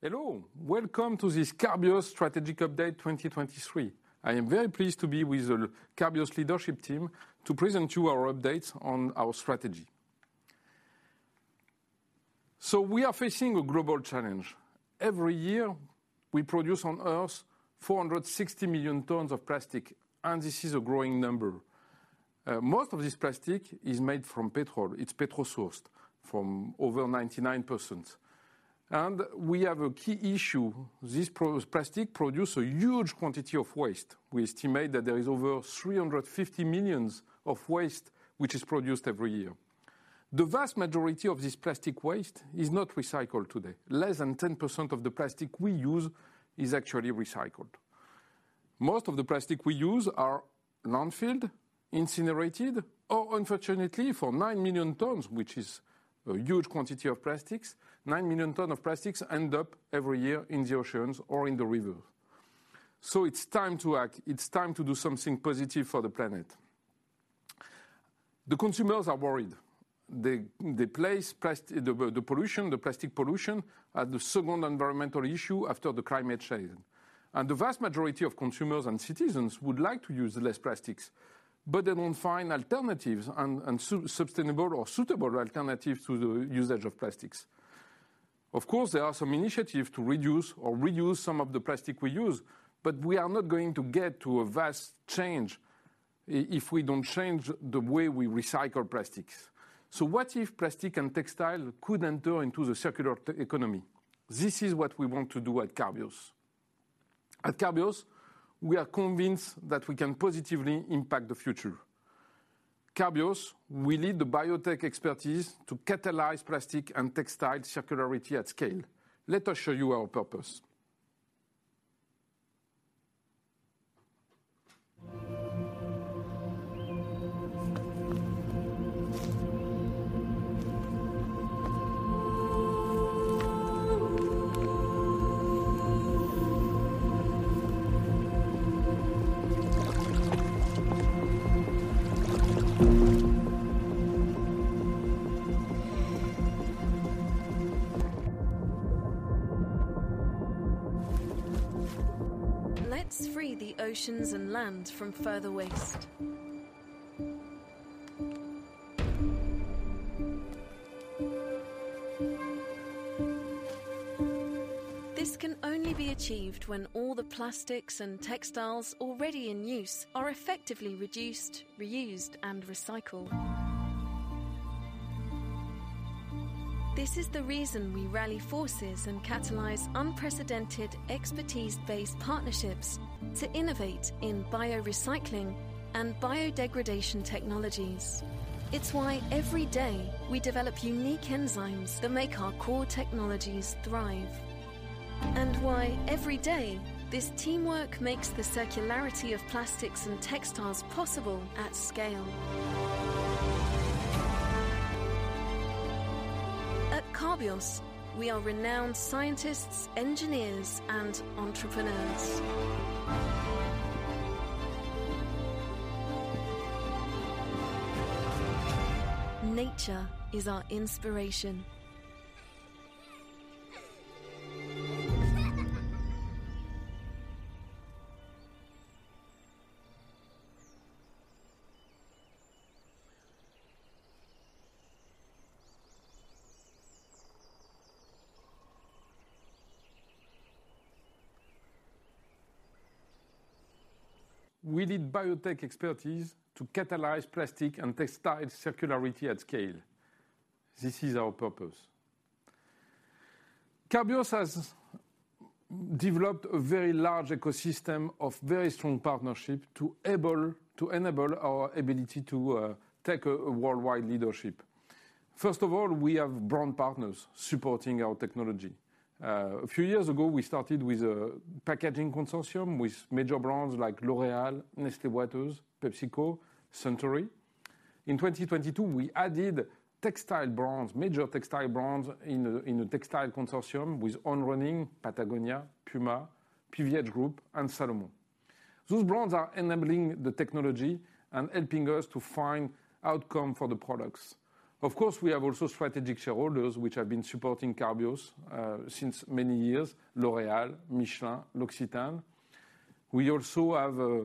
Hello, welcome to this Carbios Strategic Update 2023. I am very pleased to be with the Carbios leadership team to present you our updates on our strategy. We are facing a global challenge. Every year, we produce on Earth 460 million tons of plastic, this is a growing number. Most of this plastic is made from petrol. It's petrol-sourced from over 99%. We have a key issue. This plastic produce a huge quantity of waste. We estimate that there is over 350 million of waste, which is produced every year. The vast majority of this plastic waste is not recycled today. Less than 10% of the plastic we use is actually recycled. Most of the plastic we use are landfilled, incinerated, or unfortunately, for 9 million tons, which is a huge quantity of plastics, 9 million ton of plastics end up every year in the oceans or in the river. It's time to act. It's time to do something positive for the planet. The consumers are worried. The pollution, the plastic pollution, are the second environmental issue after the climate change. The vast majority of consumers and citizens would like to use less plastics, but they don't find alternatives and sustainable or suitable alternatives to the usage of plastics. Of course, there are some initiative to reduce or reuse some of the plastic we use, but we are not going to get to a vast change if we don't change the way we recycle plastics. What if plastic and textile could enter into the circular economy? This is what we want to do at Carbios. At Carbios, we are convinced that we can positively impact the future. Carbios, we lead the biotech expertise to catalyze plastic and textile circularity at scale. Let us show you our purpose. Let's free the oceans and land from further waste. This can only be achieved when all the plastics and textiles already in use are effectively reduced, reused, and recycled. This is the reason we rally forces and catalyze unprecedented expertise-based partnerships to innovate in biorecycling and biodegradation technologies. It's why every day we develop unique enzymes that make our core technologies thrive, and why every day, this teamwork makes the circularity of plastics and textiles possible at scale. At Carbios, we are renowned scientists, engineers, and entrepreneurs. Nature is our inspiration. We need biotech expertise to catalyze plastic and textile circularity at scale. This is our purpose. Carbios has developed a very large ecosystem of very strong partnership to enable our ability to take a worldwide leadership. First of all, we have brand partners supporting our technology. A few years ago, we started with a packaging consortium with major brands like L'Oréal, Nestlé Waters, PepsiCo, Suntory. In 2022, we added textile brands, major textile brands in the textile consortium with On, Patagonia, PUMA, PVH Corp., and Salomon. Those brands are enabling the technology and helping us to find outcome for the products. Of course, we have also strategic shareholders, which have been supporting Carbios since many years: L'Oréal, Michelin, L'Occitane. We also have a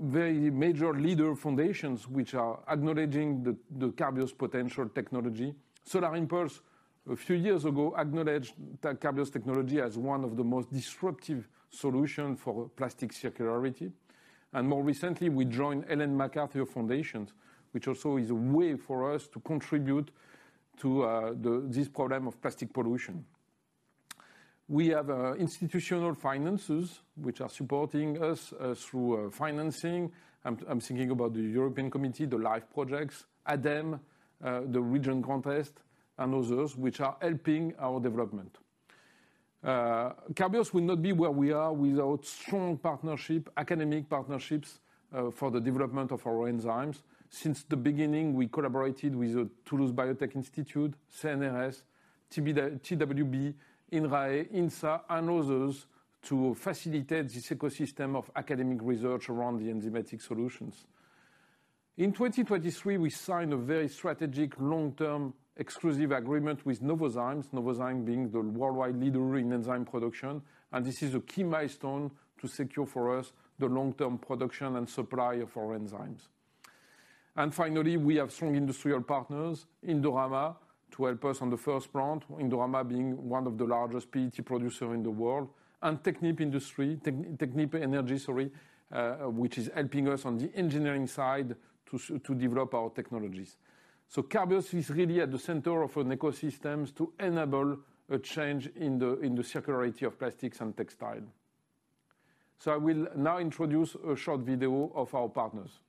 very major leader foundations, which are acknowledging the Carbios potential technology. Solar Impulse, a few years ago, acknowledged that Carbios technology as one of the most disruptive solution for plastic circularity. More recently, we joined Ellen MacArthur Foundation, which also is a way for us to contribute to this problem of plastic pollution. We have institutional finances, which are supporting us through financing. I'm thinking about the European Commission, the LIFE projects, ADEME, the Region Grand Est, and others, which are helping our development. Carbios would not be where we are without strong partnership, academic partnerships, for the development of our enzymes. Since the beginning, we collaborated with the Toulouse Biotechnology Institute, CNRS, TWB, INRAE, INSA, and others, to facilitate this ecosystem of academic research around the enzymatic solutions. In 2023, we signed a very strategic long-term exclusive agreement with Novozymes. Novozymes being the worldwide leader in enzyme production, this is a key milestone to secure for us the long-term production and supply of our enzymes. Finally, we have strong industrial partners, Indorama, to help us on the first plant, Indorama being one of the largest PET producer in the world, Technip Industry, Technip Energies, sorry, which is helping us on the engineering side to develop our technologies. Carbios is really at the center of an ecosystems to enable a change in the, in the circularity of plastics and textile. I will now introduce a short video of our partners.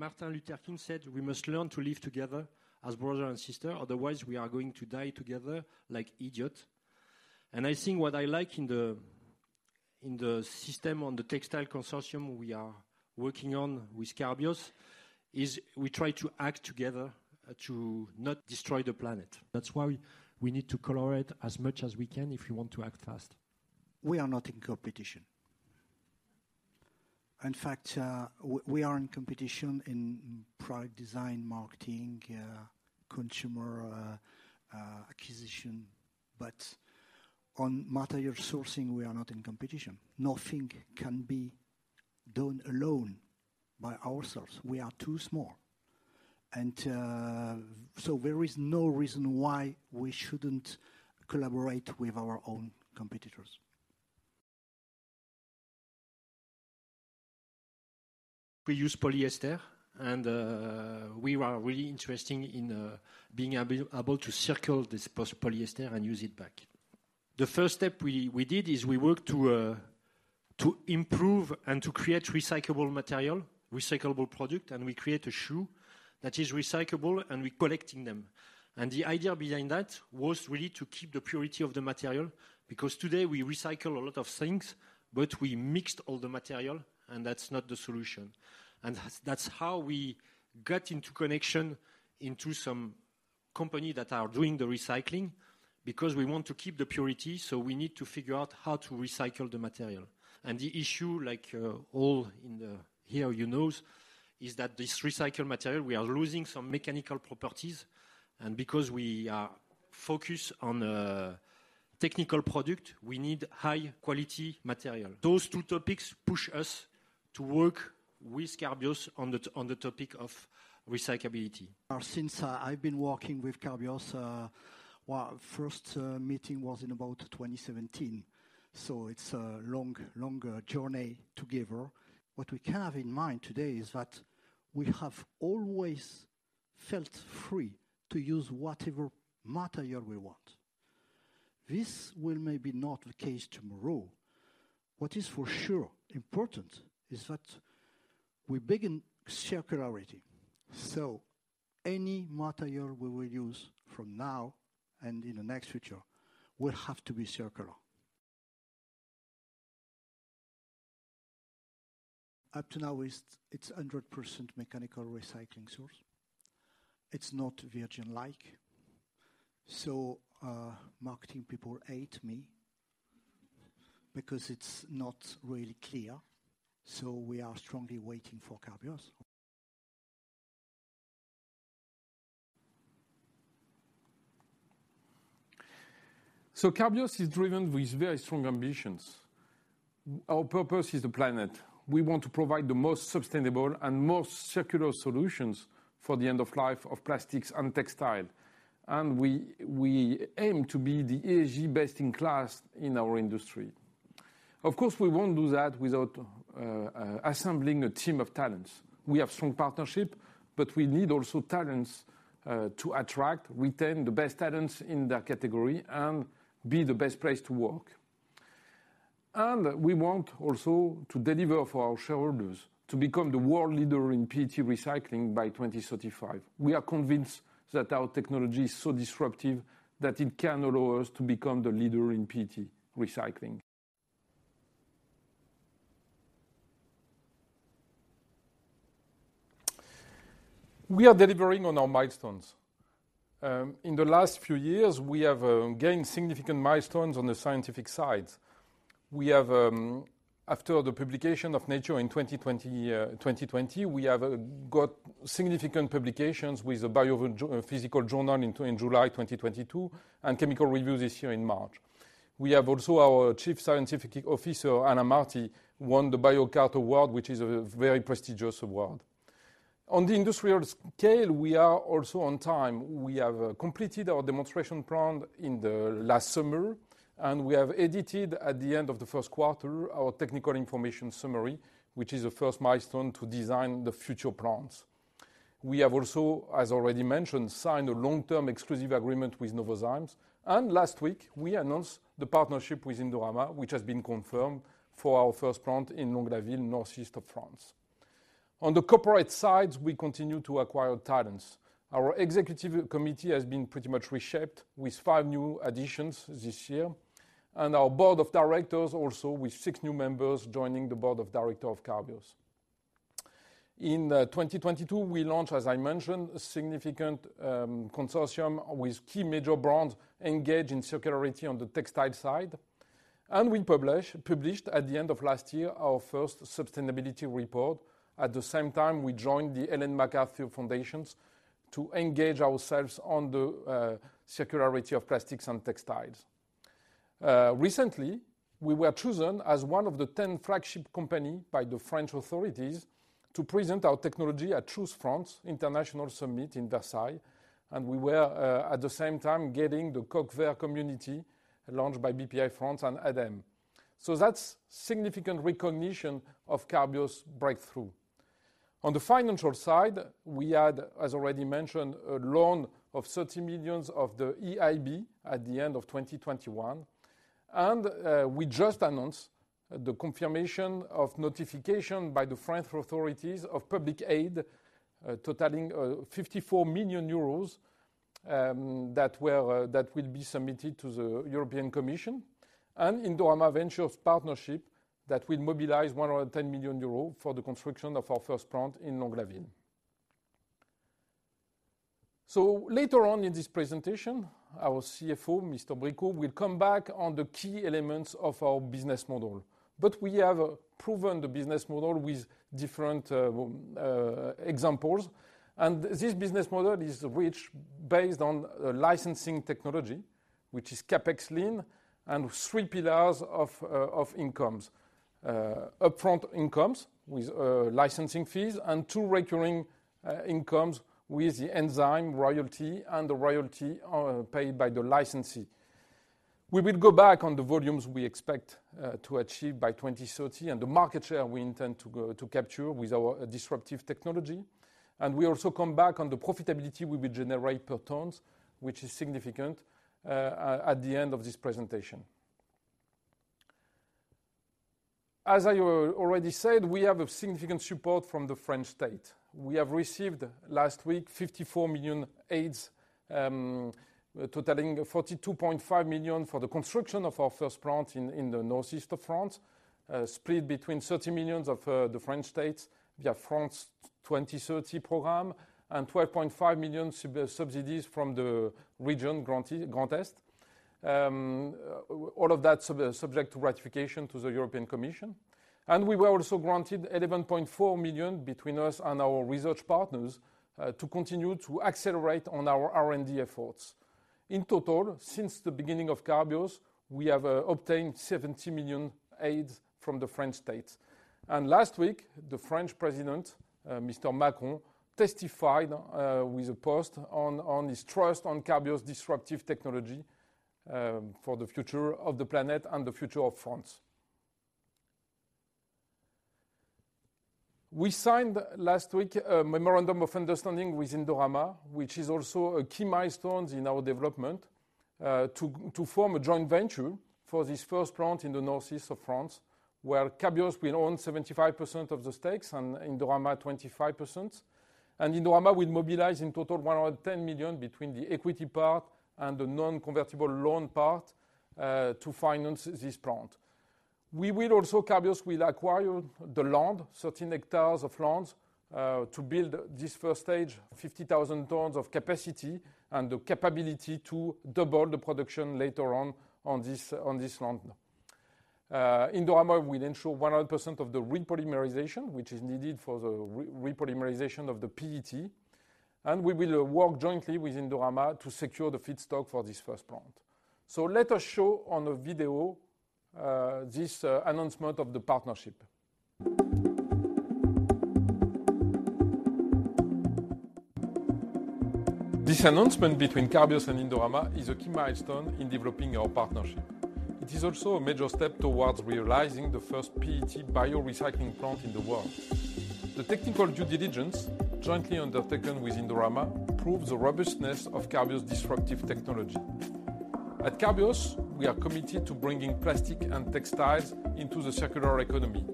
Martin Luther King said, "We must learn to live together as brother and sister, otherwise we are going to die together like idiot." I think what I like in the system on the textile consortium we are working on with Carbios, is we try to act together to not destroy the planet. That's why we need to collaborate as much as we can if we want to act fast. We are not in competition. In fact, we are in competition in product design, marketing, consumer acquisition, but on material sourcing, we are not in competition. Nothing can be done alone by ourselves. We are too small. So there is no reason why we shouldn't collaborate with our own competitors. We use polyester, we are really interesting in being able to circle this post polyester and use it back. The first step we did is we worked to improve and to create recyclable material, recyclable product, and we create a shoe that is recyclable and we collecting them. The idea behind that was really to keep the purity of the material, because today we recycle a lot of things, but we mixed all the material, and that's not the solution. That's how we got into connection into some company that are doing the recycling, because we want to keep the purity, so we need to figure out how to recycle the material. The issue, like, all in, here you know, is that this recycled material, we are losing some mechanical properties, and because we are focused on technical product, we need high-quality material. Those two topics push us to work with Carbios on the, on the topic of recyclability. Since I've been working with Carbios, well, first meeting was in about 2017, so it's a long, longer journey together. What we have in mind today is that we have always felt free to use whatever material we want. This will may be not the case tomorrow. What is for sure important is that we begin circularity, so any material we will use from now and in the next future will have to be circular. Up to now, it's 100% mechanical recycling source. It's not virgin-like, so marketing people hate me because it's not really clear, so we are strongly waiting for Carbios. Carbios is driven with very strong ambitions. Our purpose is the planet. We want to provide the most sustainable and most circular solutions for the end of life of plastics and textile, and we aim to be the ESG best-in-class in our industry. Of course, we won't do that without assembling a team of talents. We have strong partnership, but we need also talents to attract, retain the best talents in that category and be the best place to work. We want also to deliver for our shareholders, to become the world leader in PET recycling by 2035. We are convinced that our technology is so disruptive that it can allow us to become the leader in PET recycling. We are delivering on our milestones. In the last few years, we have gained significant milestones on the scientific side. We have After the publication of Nature in 2020, we have got significant publications with the Biophysical Journal in July 2022, and Chemical Reviews this year in March. We have also our Chief Scientific Officer, Alain Marty, won the Biocat Award, which is a very prestigious award. On the industrial scale, we are also on time. We have completed our demonstration plant in the last summer, and we have edited, at the end of the first quarter, our Technical Information Summary, which is the first milestone to design the future plants. We have also, as already mentioned, signed a long-term exclusive agreement with Novozymes, and last week, we announced the partnership with Indorama, which has been confirmed for our first plant in Longlaville, northeast of France. On the corporate sides, we continue to acquire talents. Our executive committee has been pretty much reshaped, with five new additions this year, and our board of directors also with six new members joining the board of director of Carbios. In 2022, we launched, as I mentioned, a significant consortium with key major brands engaged in circularity on the textile side. We published at the end of last year, our first sustainability report. We joined the Ellen MacArthur Foundation to engage ourselves on the circularity of plastics and textiles. Recently, we were chosen as one of the 10 flagship company by the French authorities to present our technology at Choose France Summit in Versailles, and we were at the same time, getting the Coq Vert Community launched by Bpifrance and ADEME. That's significant recognition of Carbios' breakthrough. On the financial side, we had, as already mentioned, a loan of 30 million of the EIB at the end of 2021, and we just announced the confirmation of notification by the French authorities of public aid totaling 54 million euros, that will be submitted to the European Commission, and Indorama Ventures partnership that will mobilize 110 million euros for the construction of our first plant in Longlaville. Later on in this presentation, our CFO, Mr. Bricault, will come back on the key elements of our business model. We have proven the business model with different examples. This business model is rich, based on a licensing technology, which is CapEx lean and three pillars of incomes. Upfront incomes with licensing fees and two recurring incomes with the enzyme royalty and the royalty paid by the licensee. We will go back on the volumes we expect to achieve by 2030, and the market share we intend to capture with our disruptive technology. We also come back on the profitability we will generate per tons, which is significant at the end of this presentation. As I already said, we have a significant support from the French state. We have received, last week, 54 million aids, totaling 42.5 million for the construction of our first plant in the northeast of France. Split between 30 million of the French states via France 2030 program, and 12.5 million subsidies from the region, Grand Est. All of that subject to ratification to the European Commission. We were also granted 11.4 million between us and our research partners to continue to accelerate on our R&D efforts. In total, since the beginning of Carbios, we have obtained 70 million aids from the French state. Last week, the French president, Mr. Macron, testified with a post on his trust on Carbios' disruptive technology for the future of the planet and the future of France. We signed last week a memorandum of understanding with Indorama, which is also a key milestone in our development, to form a joint venture for this first plant in the northeast of France, where Carbios will own 75% of the stakes and Indorama 25%. Indorama will mobilize in total, 110 million between the equity part and the non-convertible loan part, to finance this plant. We will also, Carbios will acquire the land, 13 hectares of land, to build this first stage, 50,000 tons of capacity and the capability to double the production later on this land. Indorama will ensure 100% of the repolymerization, which is needed for the repolymerization of the PET, and we will work jointly with Indorama to secure the feedstock for this first plant. Let us show on a video, this announcement of the partnership. This announcement between Carbios and Indorama is a key milestone in developing our partnership. It is also a major step towards realizing the first PET biorecycling plant in the world. The technical due diligence, jointly undertaken with Indorama, proves the robustness of Carbios' disruptive technology. At Carbios, we are committed to bringing plastic and textiles into the circular economy.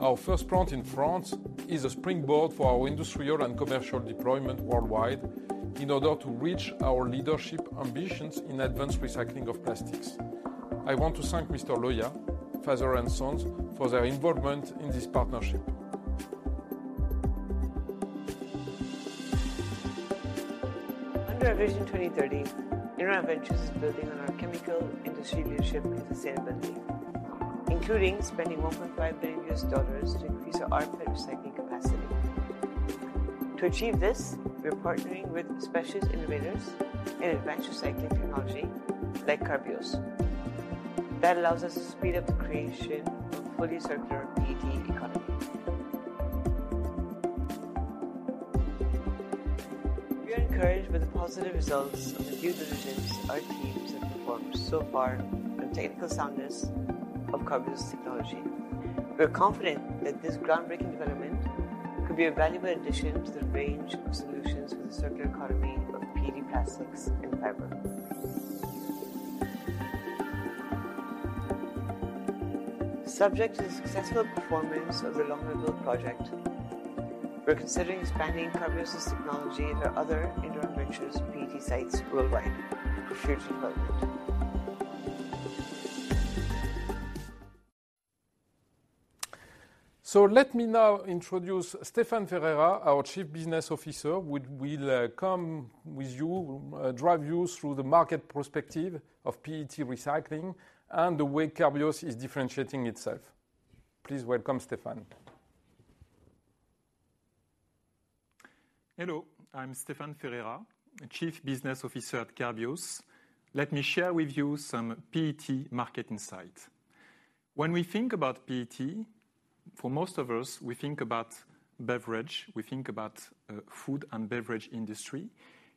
Our first plant in France is a springboard for our industrial and commercial deployment worldwide in order to reach our leadership ambitions in advanced recycling of plastics. I want to thank Mr. Lohia, father and sons, for their involvement in this partnership. Under our vision 2030, Indorama Ventures is building on our chemical industry leadership in sustainability, including spending $1.5 billion to increase our recycling capacity. To achieve this, we are partnering with specialist innovators in advanced recycling technology like Carbios. That allows us to speed up the creation of a fully circular PET economy. We are encouraged with the positive results of the due diligence our teams have performed so far on the technical soundness of Carbios technology. We are confident that this groundbreaking development could be a valuable addition to the range of solutions for the circular economy of PET plastics and fiber. Subject to the successful performance of the Nogent project, we're considering expanding Carbios' technology to other Indorama Ventures PET sites worldwide for future development. Let me now introduce Stéphane Ferreira, our Chief Business Officer, who will come with you, drive you through the market perspective of PET recycling and the way Carbios is differentiating itself. Please welcome Stéphane Ferreira. Hello, I'm Stéphane Ferreira, Chief Business Officer at Carbios. Let me share with you some PET market insight. When we think about PET, for most of us, we think about beverage, we think about food and beverage industry.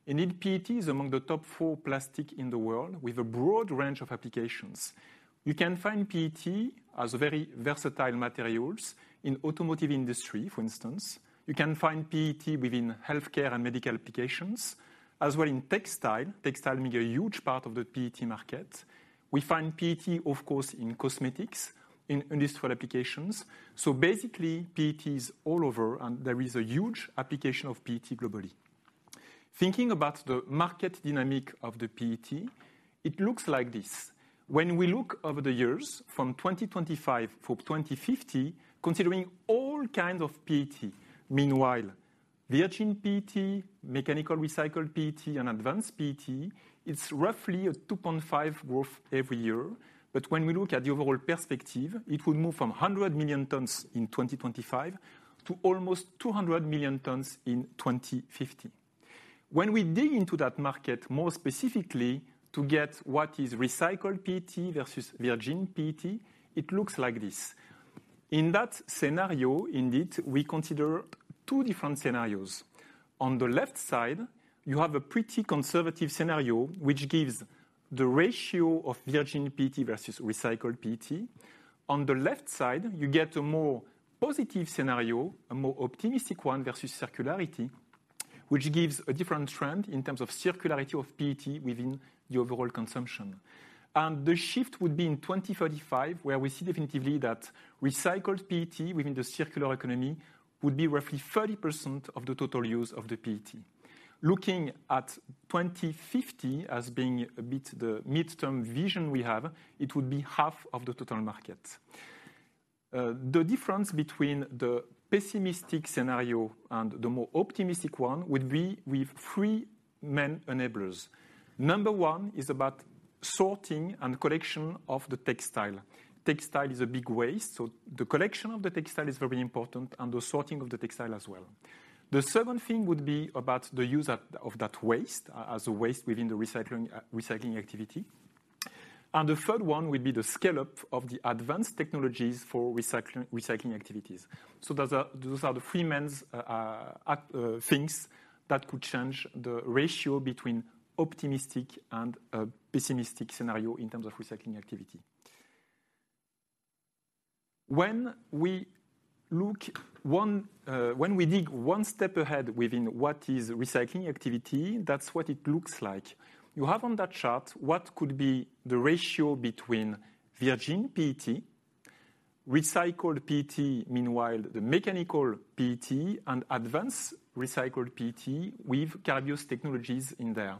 Indeed, PET is among the top four plastic in the world with a broad range of applications. You can find PET as very versatile materials in automotive industry, for instance. You can find PET within healthcare and medical applications, as well in textile. Textile being a huge part of the PET market. We find PET, of course, in cosmetics, in industrial applications. Basically, PET is all over, and there is a huge application of PET globally. Thinking about the market dynamic of the PET, it looks like this: When we look over the years, from 2025 for 2050, considering all kinds of PET, meanwhile, virgin PET, mechanical recycled PET, and advanced PET, it's roughly a 2.5 growth every year. When we look at the overall perspective, it will move from 100 million tons in 2025 to almost 200 million tons in 2050. When we dig into that market, more specifically to get what is recycled PET versus virgin PET, it looks like this. In that scenario, indeed, we consider two different scenarios. On the left side, you have a pretty conservative scenario, which gives the ratio of virgin PET versus recycled PET. On the left side, you get a more positive scenario, a more optimistic one versus circularity, which gives a different trend in terms of circularity of PET within the overall consumption. The shift would be in 2035, where we see definitively that recycled PET within the circular economy would be roughly 30% of the total use of the PET. Looking at 2050 as being a bit the midterm vision we have, it would be half of the total market. The difference between the pessimistic scenario and the more optimistic one would be with three main enablers. Number one is about sorting and collection of the textile. Textile is a big waste, the collection of the textile is very important and the sorting of the textile as well. The second thing would be about the use of that waste, as a waste within the recycling activity. The third one would be the scale-up of the advanced technologies for recycling activities. Those are the three mains things that could change the ratio between optimistic and pessimistic scenario in terms of recycling activity. When we dig one step ahead within what is recycling activity, that's what it looks like. You have on that chart, what could be the ratio between virgin PET, recycled PET, meanwhile, the mechanical PET, and advanced recycled PET with Carbios technologies in there.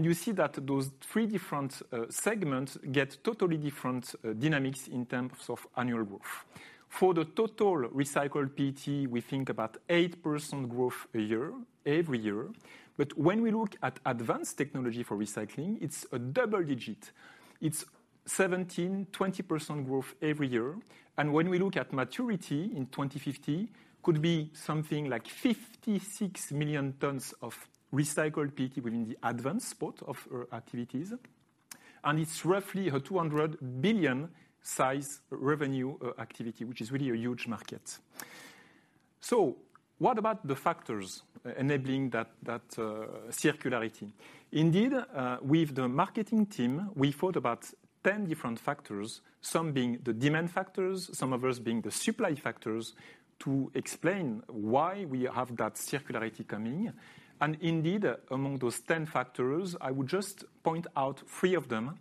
You see that those three different segments get totally different dynamics in terms of annual growth. For the total recycled PET, we think about 8% growth a year, every year. When we look at advanced technology for recycling, it's a double-digit. It's 17%-20% growth every year. When we look at maturity in 2050, could be something like 56 million tons of recycled PET within the advanced part of our activities, and it's roughly a 200 billion size revenue activity, which is really a huge market. What about the factors enabling that circularity? Indeed, with the marketing team, we thought about 10 different factors, some being the demand factors, some of us being the supply factors, to explain why we have that circularity coming. Indeed, among those 10 factors, I would just point out three of them.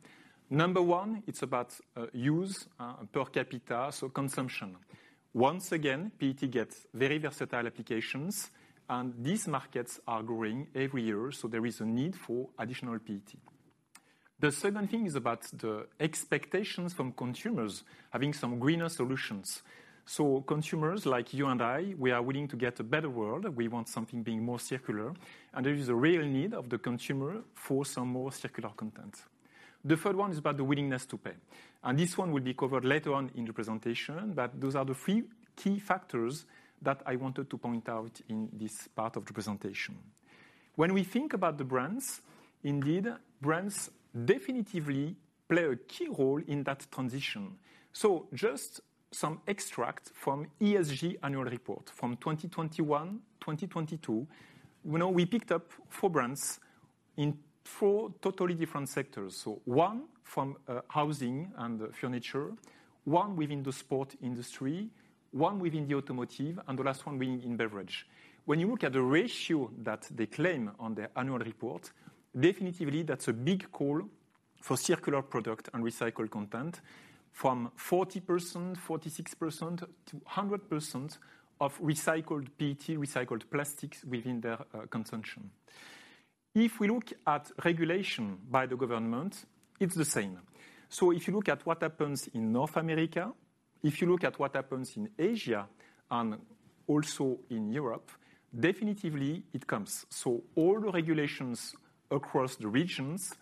Number one, it's about use per capita, so consumption. Once again, PET gets very versatile applications. These markets are growing every year, there is a need for additional PET. The second thing is about the expectations from consumers having some greener solutions. Consumers like you and I, we are willing to get a better world. We want something being more circular, there is a real need of the consumer for some more circular content. The third one is about the willingness to pay, this one will be covered later on in the presentation, those are the three key factors that I wanted to point out in this part of the presentation. When we think about the brands, indeed, brands definitively play a key role in that transition. Just some extract from ESG annual report, from 2021, 2022. You know, we picked up four brands in four totally different sectors. One from housing and furniture, one within the sport industry, one within the automotive, and the last one being in beverage. When you look at the ratio that they claim on their annual report, definitively, that's a big call for circular product and recycled content from 40%, 46% to 100% of recycled PET, recycled plastics within their consumption. If we look at regulation by the government, it's the same. If you look at what happens in North America, if you look at what happens in Asia and also in Europe, definitively, it comes. All the regulations across the regions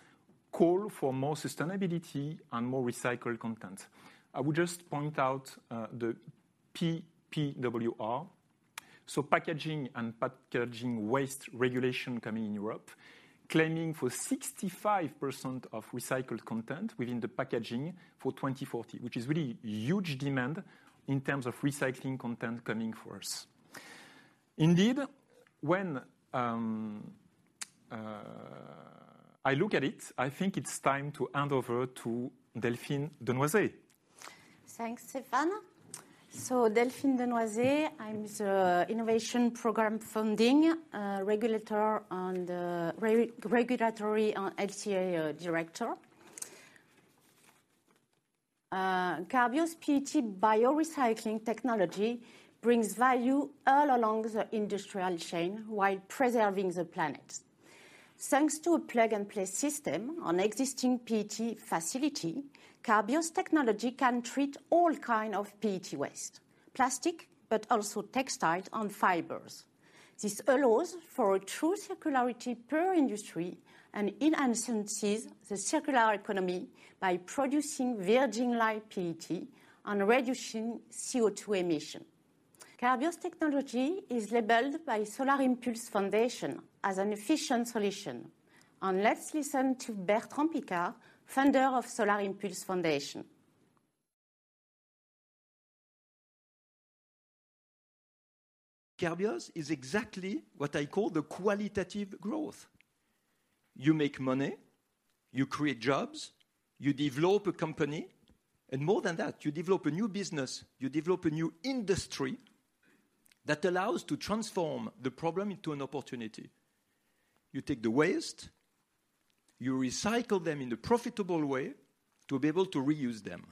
call for more sustainability and more recycled content. I would just point out, the PPWR, so packaging and packaging waste regulation coming in Europe, claiming for 65% of recycled content within the packaging for 2040, which is really huge demand in terms of recycling content coming for us. When, I look at it, I think it's time to hand over to Delphine Denoizé. Thanks, Stéphane. Delphine Denoizé, I'm the Innovation Programs Funding, regulatory, LCA Director. Carbios PET biorecycling technology brings value all along the industrial chain while preserving the planet. Thanks to a plug-and-play system on existing PET facility, Carbios technology can treat all kind of PET waste: plastic, but also textile and fibers. This allows for a true circularity per industry and enhances the circular economy by producing virgin-like PET and reducing CO2 emission. Carbios technology is labeled by Solar Impulse Foundation as an efficient solution. Let's listen to Bertrand Piccard, founder of Solar Impulse Foundation. Carbios is exactly what I call the qualitative growth. You make money, you create jobs, you develop a company, and more than that, you develop a new business. You develop a new industry that allows to transform the problem into an opportunity. You take the waste, you recycle them in a profitable way to be able to reuse them.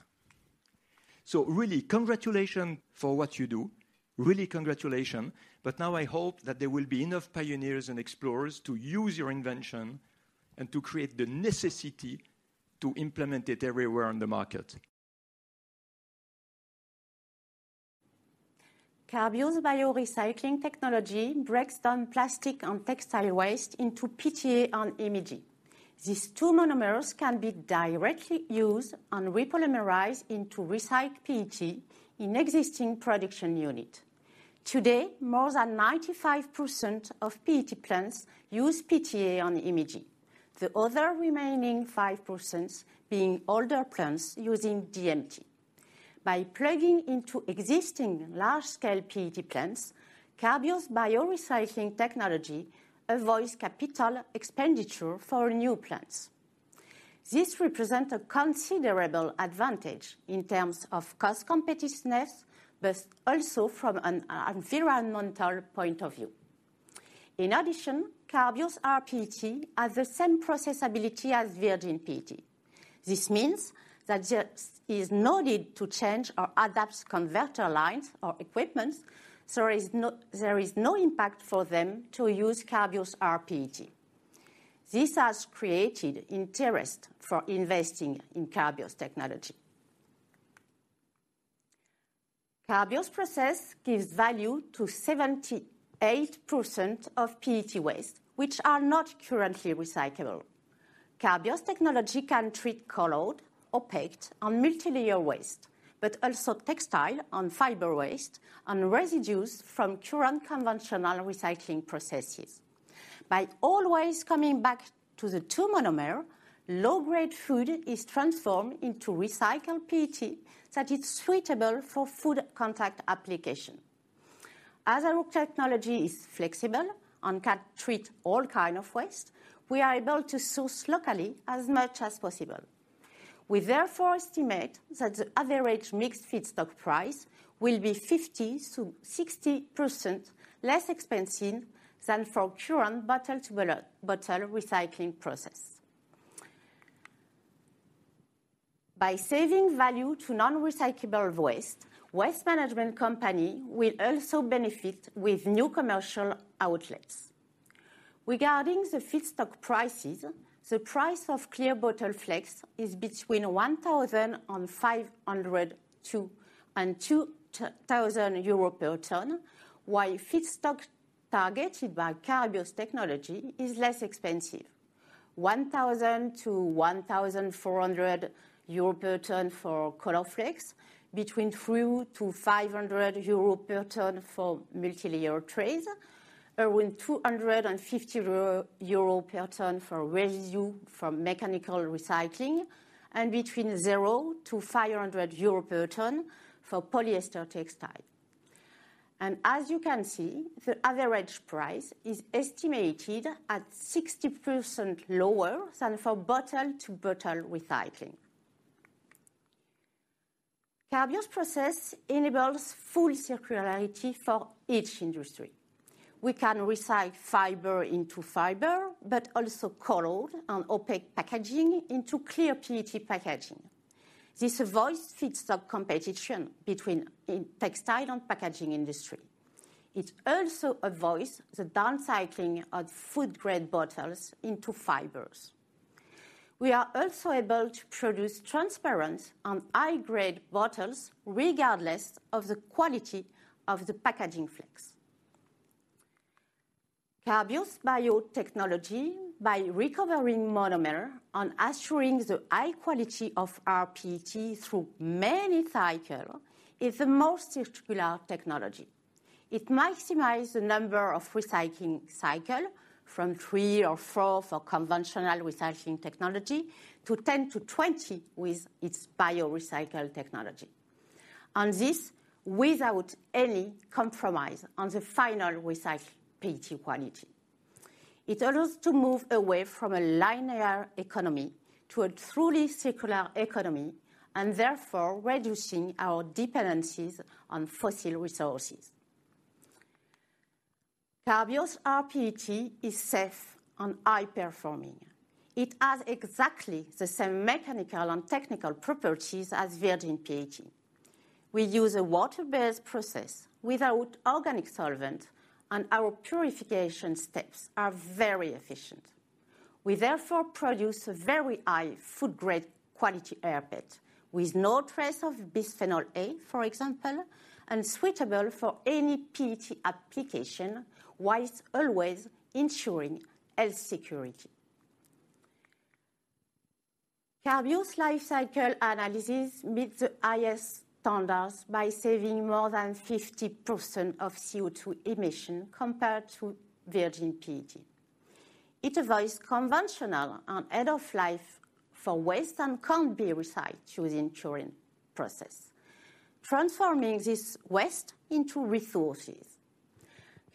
Really, congratulations for what you do. Really, congratulations. Now I hope that there will be enough pioneers and explorers to use your invention and to create the necessity to implement it everywhere on the market. Carbios biorecycling technology breaks down plastic and textile waste into PTA and MEG. These two monomers can be directly used and repolymerized into recycled PET in existing production unit. Today, more than 95% of PET plants use PTA and MEG, the other remaining 5% being older plants using DMT. By plugging into existing large-scale PET plants, Carbios biorecycling technology avoids CapEx for new plants. This represent a considerable advantage in terms of cost competitiveness, also from an environmental point of view. In addition, Carbios rPET has the same processability as virgin PET. This means that there is no need to change or adapt converter lines or equipment, there is no impact for them to use Carbios rPET. This has created interest for investing in Carbios technology. Carbios process gives value to 78% of PET waste, which are not currently recyclable. Carbios technology can treat colored, opaque, and multilayer waste, but also textile and fiber waste, and residues from current conventional recycling processes. By always coming back to the two monomers, low-grade food is transformed into recycled PET that is suitable for food contact applications. As our technology is flexible and can treat all kinds of waste, we are able to source locally as much as possible. We therefore estimate that the average mixed feedstock price will be 50% to 60% less expensive than from current bottle-to-bottle recycling process. By saving value to non-recyclable waste management companies will also benefit with new commercial outlets. Regarding the feedstock prices, the price of clear bottle flakes is between 1,500-2,000 euro per ton, while feedstock targeted by Carbios technology is less expensive: 1,000-1,400 euro per ton for color flakes, 300-500 euro per ton for multilayer trays, around 250 euro per ton for residue from mechanical recycling, and 0-500 euro per ton for polyester textile. As you can see, the average price is estimated at 60% lower than for bottle-to-bottle recycling. Carbios process enables full circularity for each industry. We can recycle fiber into fiber, but also colored and opaque packaging into clear PET packaging. This avoids feedstock competition between textile and packaging industry. It also avoids the down cycling of food grade bottles into fibers. We are also able to produce transparent and high grade bottles, regardless of the quality of the packaging flakes. Carbios biotechnology, by recovering monomer and assuring the high quality of rPET through many cycle, is the most circular technology. It maximize the number of recycling cycle from three or four for conventional recycling technology, to 10-20 with its biorecycle technology, and this without any compromise on the final recycled PET quality. It allows to move away from a linear economy to a truly circular economy, and therefore reducing our dependencies on fossil resources. Carbios rPET is safe and high-performing. It has exactly the same mechanical and technical properties as virgin PET. We use a water-based process without organic solvent, and our purification steps are very efficient. We therefore produce a very high food grade quality rPET, with no trace of bisphenol A, for example, and suitable for any PET application, whilst always ensuring health security. Carbios life cycle analysis meets the highest standards by saving more than 50% of CO2 emission compared to virgin PET. It avoids conventional and end of life for waste and can't be recycled using current process, transforming this waste into resources.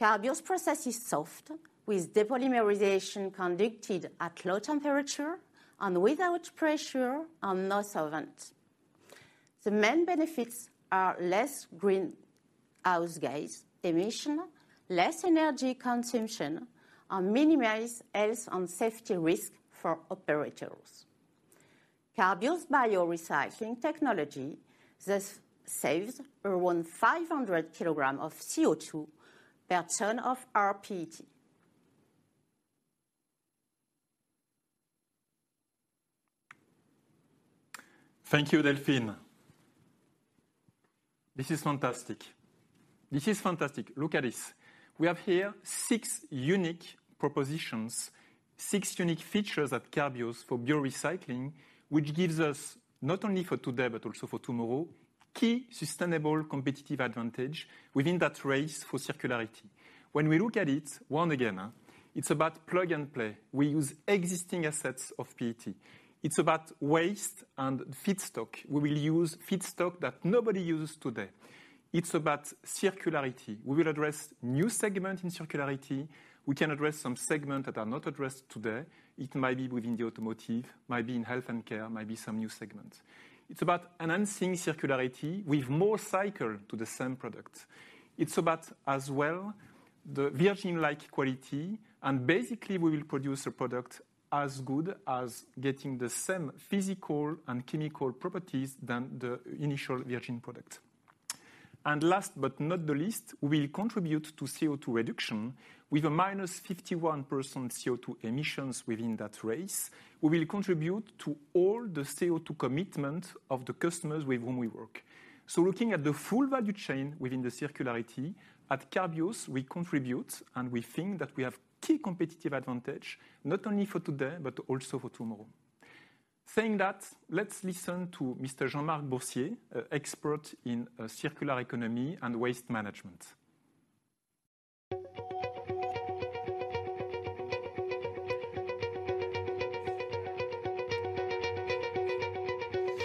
Carbios process is soft, with depolymerization conducted at low temperature and without pressure and no solvent. The main benefits are less greenhouse gas emission, less energy consumption, and minimize health and safety risk for operators. Carbios biorecycling technology thus saves around 500 kilograms of CO2 per ton of rPET. Thank you, Delphine. This is fantastic. This is fantastic. Look at this. We have here six unique propositions, six unique features at Carbios for biorecycling, which gives us, not only for today, but also for tomorrow, key sustainable competitive advantage within that race for circularity. When we look at it, once again, it's about plug and play. We use existing assets of PET. It's about waste and feedstock. We will use feedstock that nobody uses today. It's about circularity. We will address new segment in circularity. We can address some segment that are not addressed today. It might be within the automotive, might be in health and care, might be some new segment. It's about enhancing circularity with more cycle to the same product. It's about, as well, the virgin-like quality, basically, we will produce a product as good as getting the same physical and chemical properties than the initial virgin product. Last, but not the least, we will contribute to CO2 reduction with a minus 51% CO2 emissions within that race. We will contribute to all the CO2 commitment of the customers with whom we work. Looking at the full value chain within the circularity, at Carbios, we contribute, and we think that we have key competitive advantage, not only for today, but also for tomorrow. Saying that, let's listen to Mr. Jean-Marc Boursier, expert in circular economy and waste management.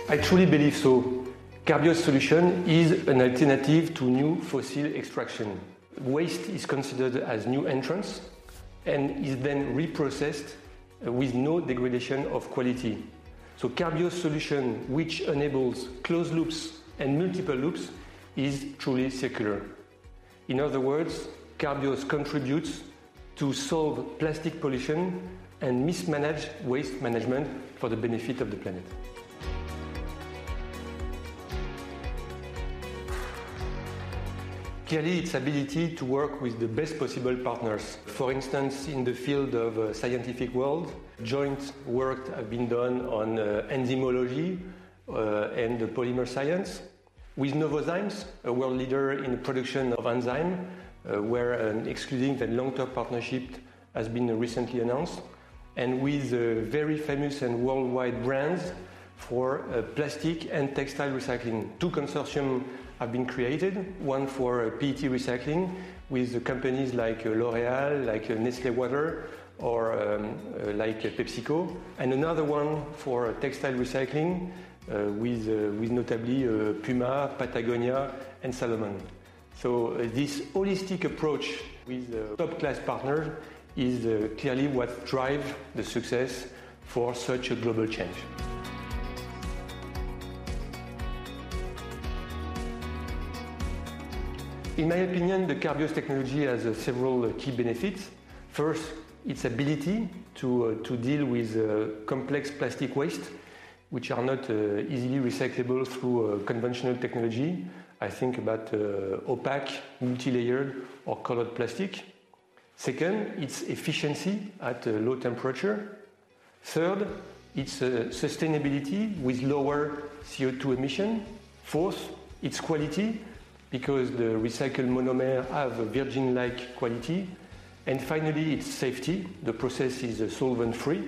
I truly believe so. Carbios solution is an alternative to new fossil extraction. Waste is considered as new entrance and is then reprocessed with no degradation of quality. Carbios solution, which enables closed loops and multiple loops, is truly circular. In other words, Carbios contributes to solve plastic pollution and mismanage waste management for the benefit of the planet. Clearly, its ability to work with the best possible partners. For instance, in the field of scientific world, joint work have been done on enzymology and polymer science. With Novozymes, a world leader in production of enzyme, where an exclusive and long-term partnership has been recently announced, and with very famous and worldwide brands for plastic and textile recycling. Two consortium have been created, one for PET recycling, with companies like L'Oréal, like Nestlé Waters, or, like PepsiCo, and another one for textile recycling, with notably, PUMA, Patagonia and Salomon. This holistic approach with a top-class partner is clearly what drive the success for such a global change. In my opinion, the Carbios technology has several key benefits. First, its ability to deal with complex plastic waste, which are not easily recyclable through conventional technology. I think about opaque, multilayered, or colored plastic. Second, its efficiency at a low temperature. Third, its sustainability with lower CO2 emission. Fourth, its quality, because the recycled monomer have a virgin-like quality. Finally, its safety. The process is solvent-free.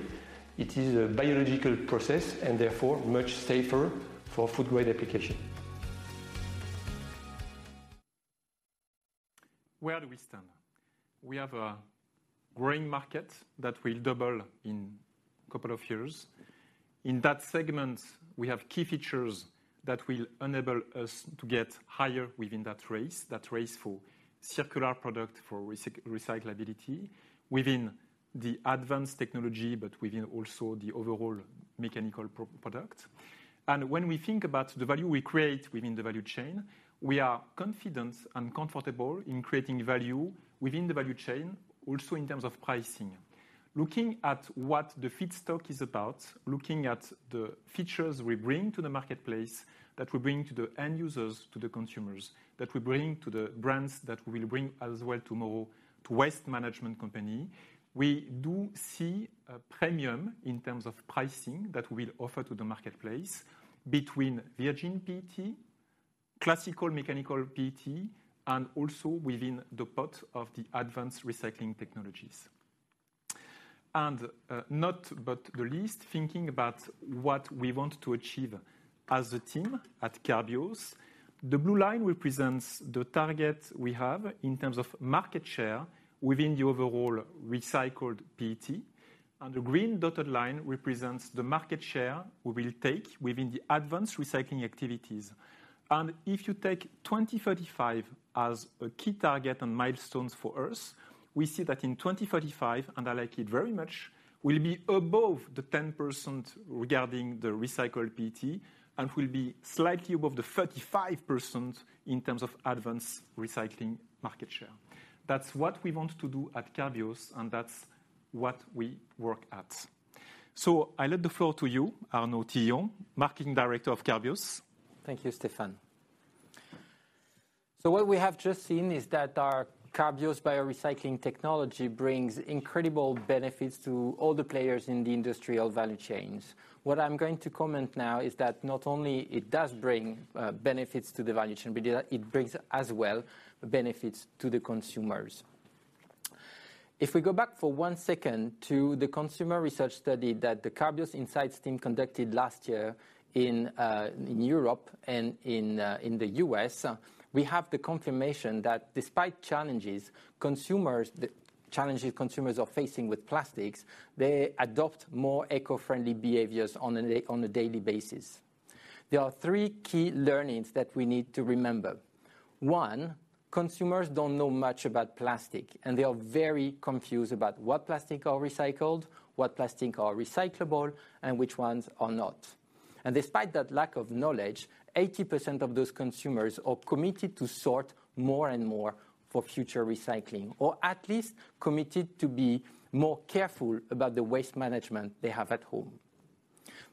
It is a biological process, and therefore much safer for food grade application. Where do we stand? We have a growing market that will double in couple of years. In that segment, we have key features that will enable us to get higher within that race, that race for circular product, for recyclability within the advanced technology, but within also the overall mechanical product. When we think about the value we create within the value chain, we are confident and comfortable in creating value within the value chain, also in terms of pricing. Looking at what the feedstock is about, looking at the features we bring to the marketplace, that we bring to the end users, to the consumers, that we bring to the brands, that we'll bring as well to waste management company, we do see a premium in terms of pricing that we'll offer to the marketplace between virgin PET, classical mechanical PET, and also within the pot of the advanced recycling technologies. Not but the least, thinking about what we want to achieve as a team at Carbios, the blue line represents the target we have in terms of market share within the overall recycled PET, and the green dotted line represents the market share we will take within the advanced recycling activities. If you take 2035 as a key target and milestones for us, we see that in 2035, and I like it very much, we'll be above the 10% regarding the recycled PET and will be slightly above the 35% in terms of advanced recycling market share. That's what we want to do at Carbios, and that's what we work at. I let the floor to you, Arnaud Tillon, Marketing Director of Carbios. Thank you, Stéphane. What we have just seen is that our Carbios biorecycling technology brings incredible benefits to all the players in the industrial value chains. What I'm going to comment now is that not only it does bring benefits to the value chain, but it brings as well, benefits to the consumers. If we go back for one second to the consumer research study that the Carbios insights team conducted last year in Europe and in the U.S., we have the confirmation that despite challenges, consumers, the challenges consumers are facing with plastics, they adopt more eco-friendly behaviors on a daily basis. There are three key learnings that we need to remember. One, consumers don't know much about plastic, and they are very confused about what plastic are recycled, what plastic are recyclable, and which ones are not. Despite that lack of knowledge, 80% of those consumers are committed to sort more and more for future recycling, or at least committed to be more careful about the waste management they have at home.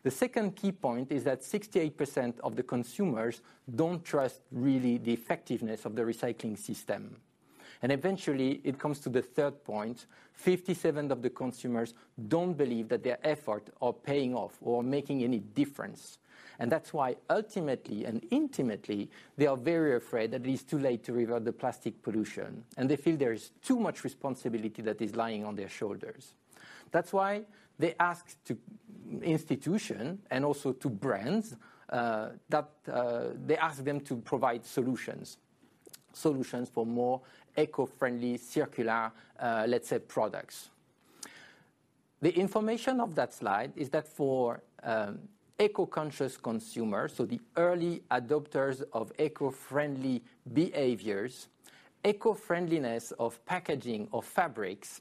The second key point is that 68% of the consumers don't trust really the effectiveness of the recycling system. Eventually, it comes to the third point: 57 of the consumers don't believe that their effort are paying off or making any difference. That's why, ultimately and intimately, they are very afraid that it is too late to reverse the plastic pollution, and they feel there is too much responsibility that is lying on their shoulders. That's why they ask to institution and also to brands, that they ask them to provide solutions for more eco-friendly, circular, let's say, products. The information of that slide is that for eco-conscious consumers, so the early adopters of eco-friendly behaviors, eco-friendliness of packaging or fabrics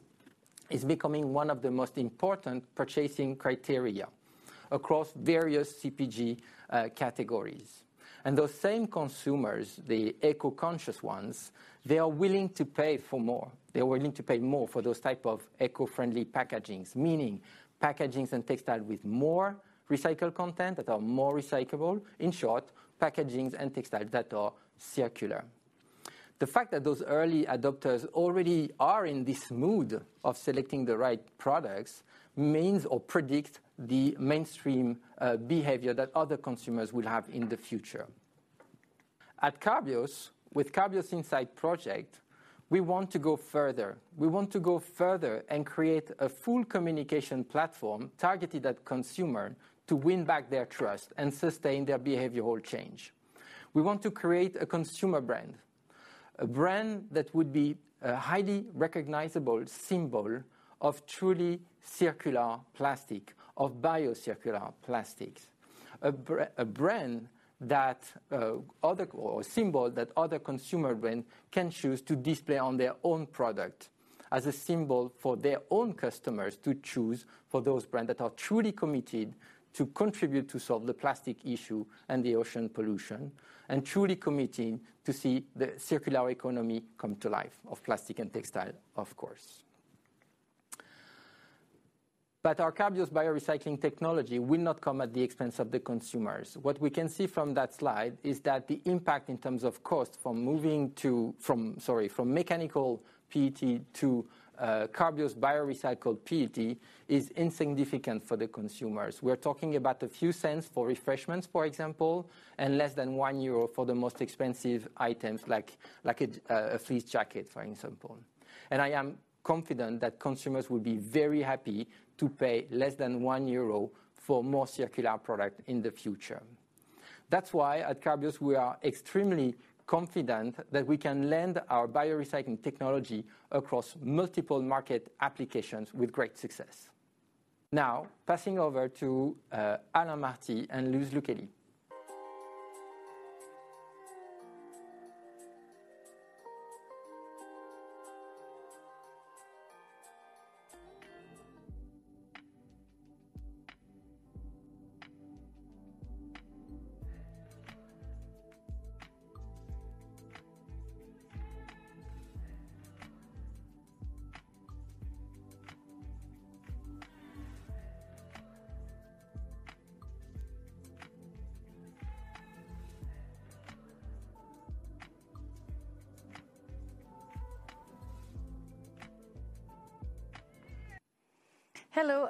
is becoming one of the most important purchasing criteria across various CPG categories. Those same consumers, the eco-conscious ones, they are willing to pay for more. They are willing to pay more for those type of eco-friendly packagings, meaning packagings and textile with more recycled content, that are more recyclable. In short, packagings and textiles that are circular. The fact that those early adopters already are in this mood of selecting the right products means or predict the mainstream behavior that other consumers will have in the future. At Carbios, with Carbios Inside project, we want to go further. We want to go further and create a full communication platform targeted at consumer to win back their trust and sustain their behavioral change. We want to create a consumer brand, a brand that would be a highly recognizable symbol of truly circular plastic, of bio circular plastics. A brand that, other or symbol, that other consumer brand can choose to display on their own product as a symbol for their own customers to choose for those brands that are truly committed to contribute to solve the plastic issue and the ocean pollution, and truly committing to see the circular economy come to life, of plastic and textile, of course. Our Carbios biorecycling technology will not come at the expense of the consumers. What we can see from that slide is that the impact in terms of cost from moving to, from, sorry, from mechanical PET to, Carbios biorecycled PET is insignificant for the consumers. We're talking about a few cents for refreshments, for example, and less than 1 euro for the most expensive items, like a fleece jacket, for example. I am confident that consumers will be very happy to pay less than 1 euro for more circular product in the future. That's why at Carbios, we are extremely confident that we can lend our biorecycling technology across multiple market applications with great success. Passing over to Alain Marty and Lise Lucchesi. Hello,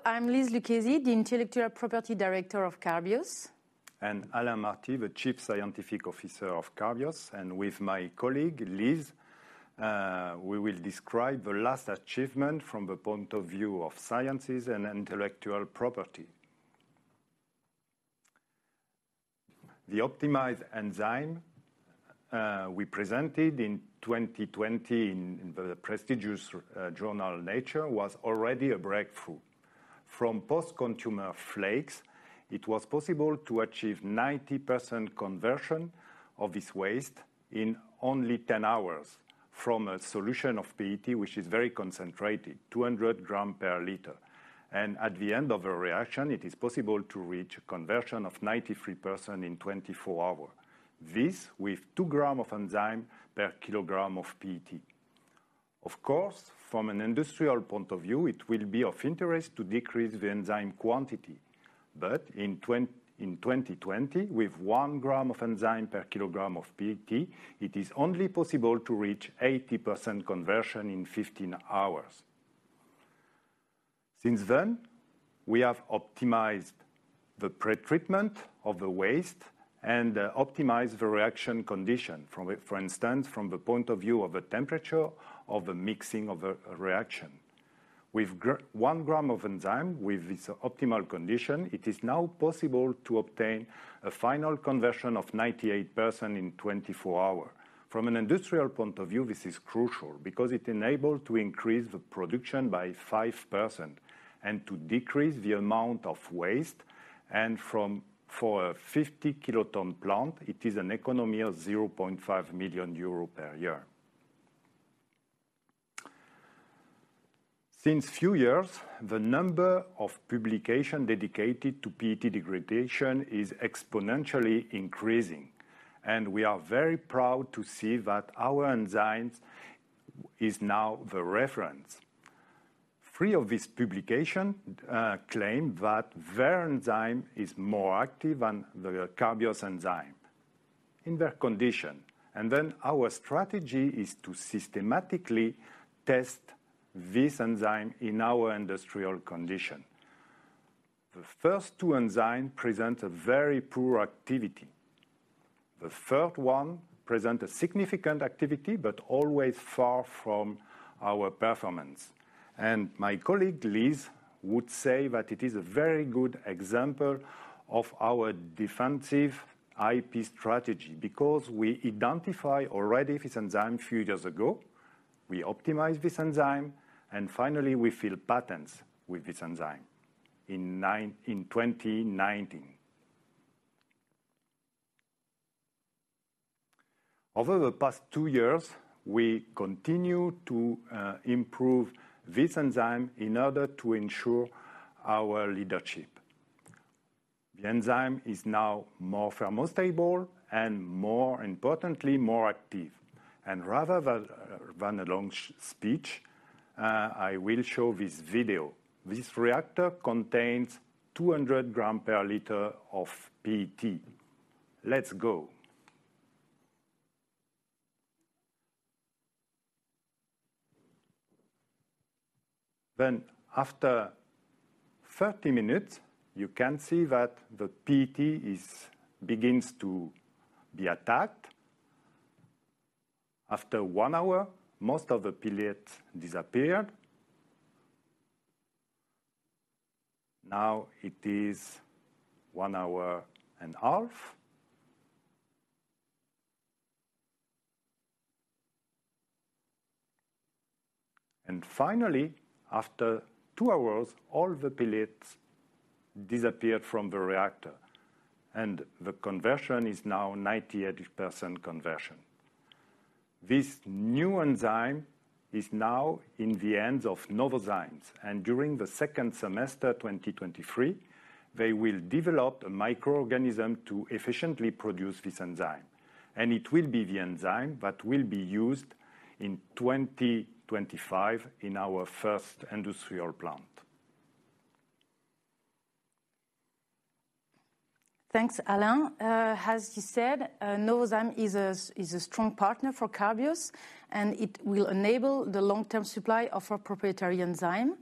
I'm Lise Lucchesi, the intellectual property director of Carbios. Alain Marty, the Chief Scientific Officer of Carbios, and with my colleague, Lise, we will describe the last achievement from the point of view of sciences and intellectual property. The optimized enzyme we presented in 2020 in the prestigious journal, Nature, was already a breakthrough. From post-consumer flakes, it was possible to achieve 90% conversion of this waste in only 10 hours from a solution of PET, which is very concentrated, 200 gram per liter. At the end of a reaction, it is possible to reach a conversion of 93% in 24 hour. This, with 2 g of enzyme per kilogram of PET. Of course, from an industrial point of view, it will be of interest to decrease the enzyme quantity. In 2020, with 1 gram of enzyme per kg of PET, it is only possible to reach 80% conversion in 15 hours. Since then, we have optimized the pretreatment of the waste and optimized the reaction condition, for instance, from the point of view of the temperature of the mixing of a reaction. With 1 gram of enzyme, with this optimal condition, it is now possible to obtain a final conversion of 98% in 24 hours. From an industrial point of view, this is crucial because it enabled to increase the production by 5% and to decrease the amount of waste. For a 50 kiloton plant, it is an economy of 0.5 million euro per year. Since few years, the number of publication dedicated to PET degradation is exponentially increasing, and we are very proud to see that our enzymes is now the reference. Three of these publication claim that their enzyme is more active than the Carbios enzyme in their condition. Our strategy is to systematically test this enzyme in our industrial condition. The first two enzyme present a very poor activity. The third one present a significant activity, but always far from our performance. My colleague, Lise, would say that it is a very good example of our defensive IP strategy, because we identify already this enzyme a few years ago, we optimize this enzyme, and finally, we file patents with this enzyme in 2019. Over the past two years, we continue to improve this enzyme in order to ensure our leadership. The enzyme is now more thermostable and, more importantly, more active. Rather than a long speech, I will show this video. This reactor contains 200 g per liter of PET. Let's go. After 30 minutes, you can see that the PET begins to be attacked. After 1 hour, most of the pellets disappear. Now, it is 1 hour and half. Finally, after two hours, all the pellets disappeared from the reactor, and the conversion is now 98% conversion. This new enzyme is now in the hands of Novozymes, and during the second semester, 2023, they will develop a microorganism to efficiently produce this enzyme, and it will be the enzyme that will be used in 2025 in our first industrial plant. Thanks, Alain. As you said, Novozymes is a strong partner for Carbios. It will enable the long-term supply of our proprietary enzyme.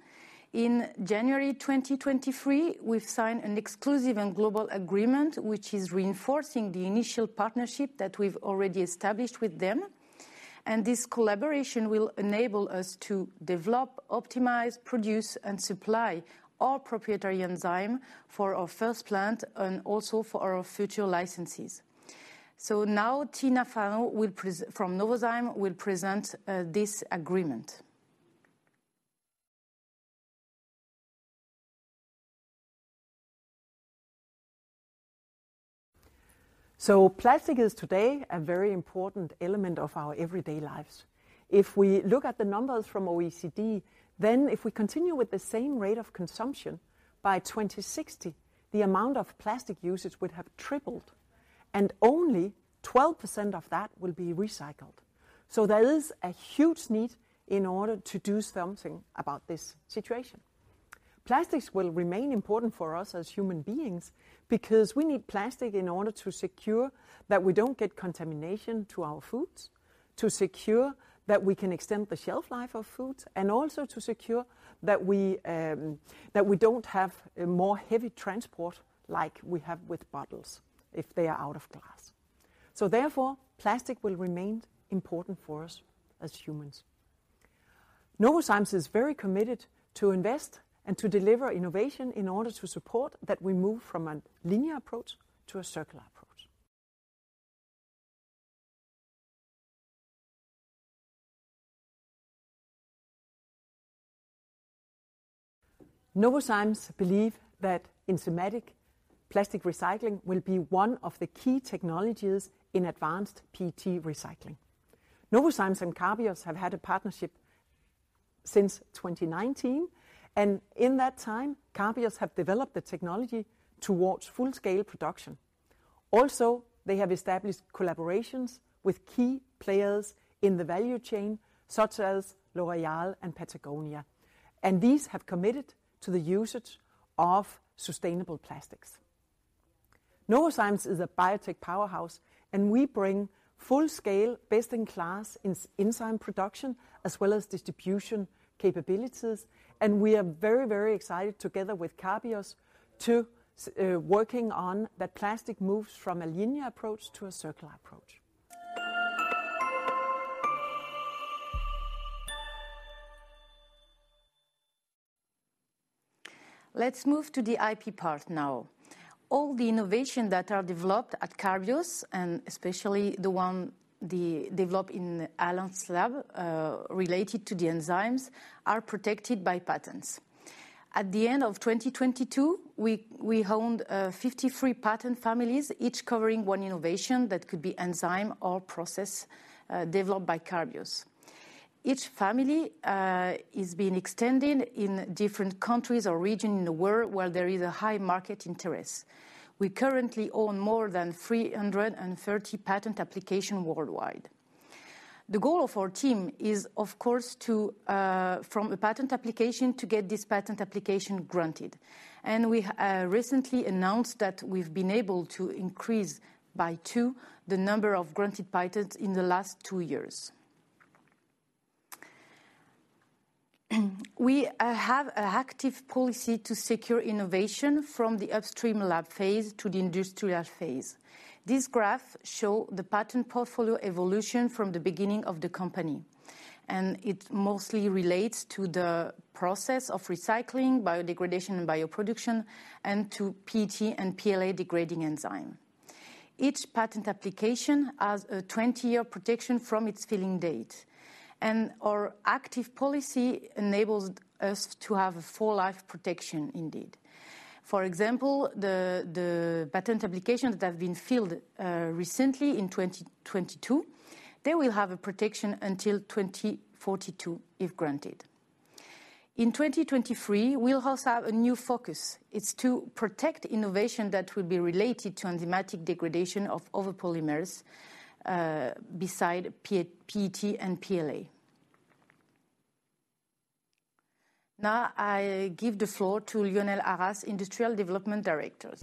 In January 2023, we've signed an exclusive and global agreement, which is reinforcing the initial partnership that we've already established with them. This collaboration will enable us to develop, optimize, produce, and supply our proprietary enzyme for our first plant and also for our future licensees. Now, Tina Fanø from Novozymes, will present this agreement. Plastic is today a very important element of our everyday lives. If we look at the numbers from OECD, if we continue with the same rate of consumption, by 2060, the amount of plastic usage would have tripled, and only 12% of that will be recycled. There is a huge need in order to do something about this situation. Plastics will remain important for us as human beings, because we need plastic in order to secure that we don't get contamination to our foods, to secure that we can extend the shelf life of foods, and also to secure that we don't have a more heavy transport like we have with bottles if they are out of glass. Therefore, plastic will remain important for us as humans. Novozymes is very committed to invest and to deliver innovation in order to support that we move from a linear approach to a circular approach. Novozymes believe that enzymatic plastic recycling will be one of the key technologies in advanced PET recycling. Novozymes and Carbios have had a partnership since 2019. In that time, Carbios have developed the technology towards full-scale production. They have established collaborations with key players in the value chain, such as L'Oréal and Patagonia, and these have committed to the usage of sustainable plastics. Novozymes is a biotech powerhouse. We bring full-scale, best-in-class enzyme production, as well as distribution capabilities. We are very, very excited together with Carbios to working on that plastic moves from a linear approach to a circular approach. Let's move to the IP part now. All the innovation that are developed at Carbios, and especially the one developed in Alain's lab, related to the enzymes, are protected by patents. At the end of 2022, we owned 53 patent families, each covering one innovation that could be enzyme or process, developed by Carbios. Each family, is being extended in different countries or region in the world where there is a high market interest. We currently own more than 330 patent application worldwide. The goal of our team is, of course, to, from a patent application, to get this patent application granted. We recently announced that we've been able to increase by two the number of granted patents in the last two years. We have an active policy to secure innovation from the upstream lab phase to the industrial phase. This graph show the patent portfolio evolution from the beginning of the company, and it mostly relates to the process of recycling, biodegradation, and bioproduction, and to PET and PLA-degrading enzyme. Each patent application has a 20-year protection from its filling date, and our active policy enables us to have a full life protection indeed. For example, the patent applications that have been filled recently in 2022, they will have a protection until 2042, if granted. In 2023, we'll also have a new focus. It's to protect innovation that will be related to enzymatic degradation of other polymers, beside PET and PLA. Now, I give the floor to Lionel Arras, Industrial Development Director.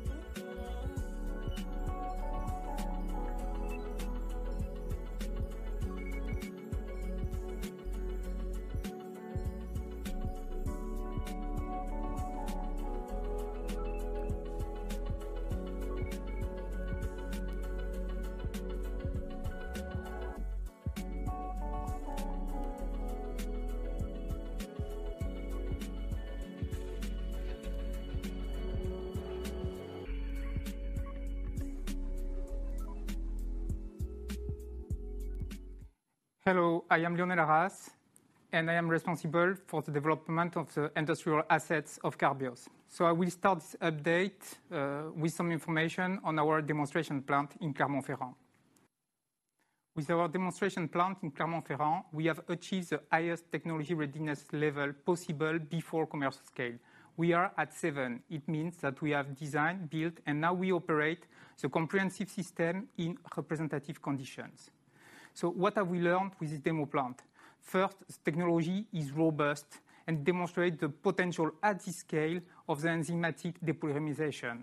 Hello, I am Lionel Arras, and I am responsible for the development of the industrial assets of Carbios. I will start this update with some information on our demonstration plant in Clermont-Ferrand. With our demonstration plant in Clermont-Ferrand, we have achieved the highest technology readiness level possible before commercial scale. We are at 7. It means that we have designed, built, and now we operate the comprehensive system in representative conditions. What have we learned with the demo plant? First, technology is robust and demonstrate the potential at the scale of the enzymatic depolymerization.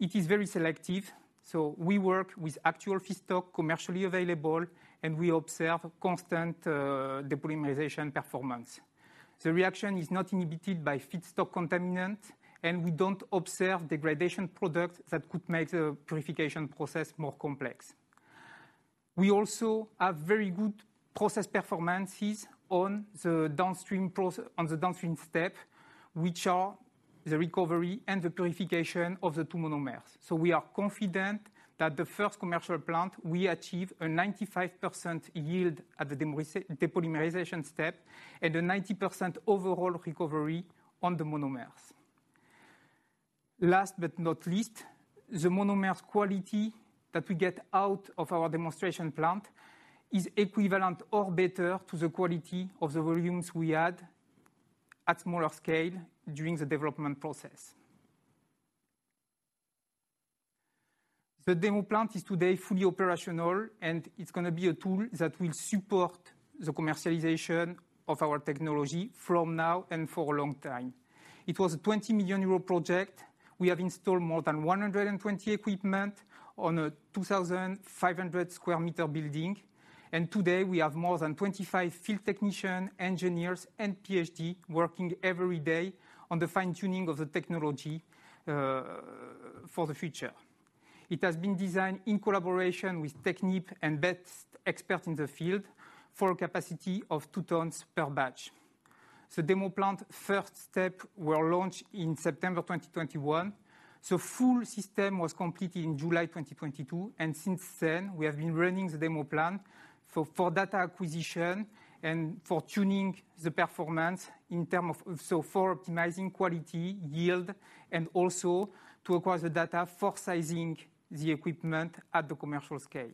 It is very selective, so we work with actual feedstock commercially available, and we observe constant depolymerization performance. The reaction is not inhibited by feedstock contaminant, and we don't observe the gradation product that could make the purification process more complex. We also have very good process performances on the downstream step, which are the recovery and the purification of the two monomers. We are confident that the first commercial plant, we achieve a 95% yield at the depolymerization step, and a 90% overall recovery on the monomers. Last but not least, the monomers quality that we get out of our demonstration plant is equivalent or better to the quality of the volumes we had at smaller scale during the development process. The demo plant is today fully operational, and it's gonna be a tool that will support the commercialization of our technology from now and for a long time. It was a 20 million euro project. We have installed more than 120 equipment on a 2,500 square meter building. Today we have more than 25 field technician, engineers, and PhD, working every day on the fine-tuning of the technology for the future. It has been designed in collaboration with technique and best expert in the field for a capacity of 2 tons per batch. The demo plant first step were launched in September 2021. Full system was completed in July 2022, and since then, we have been running the demo plant for data acquisition and for tuning the performance for optimizing quality, yield, and also to acquire the data for sizing the equipment at the commercial scale.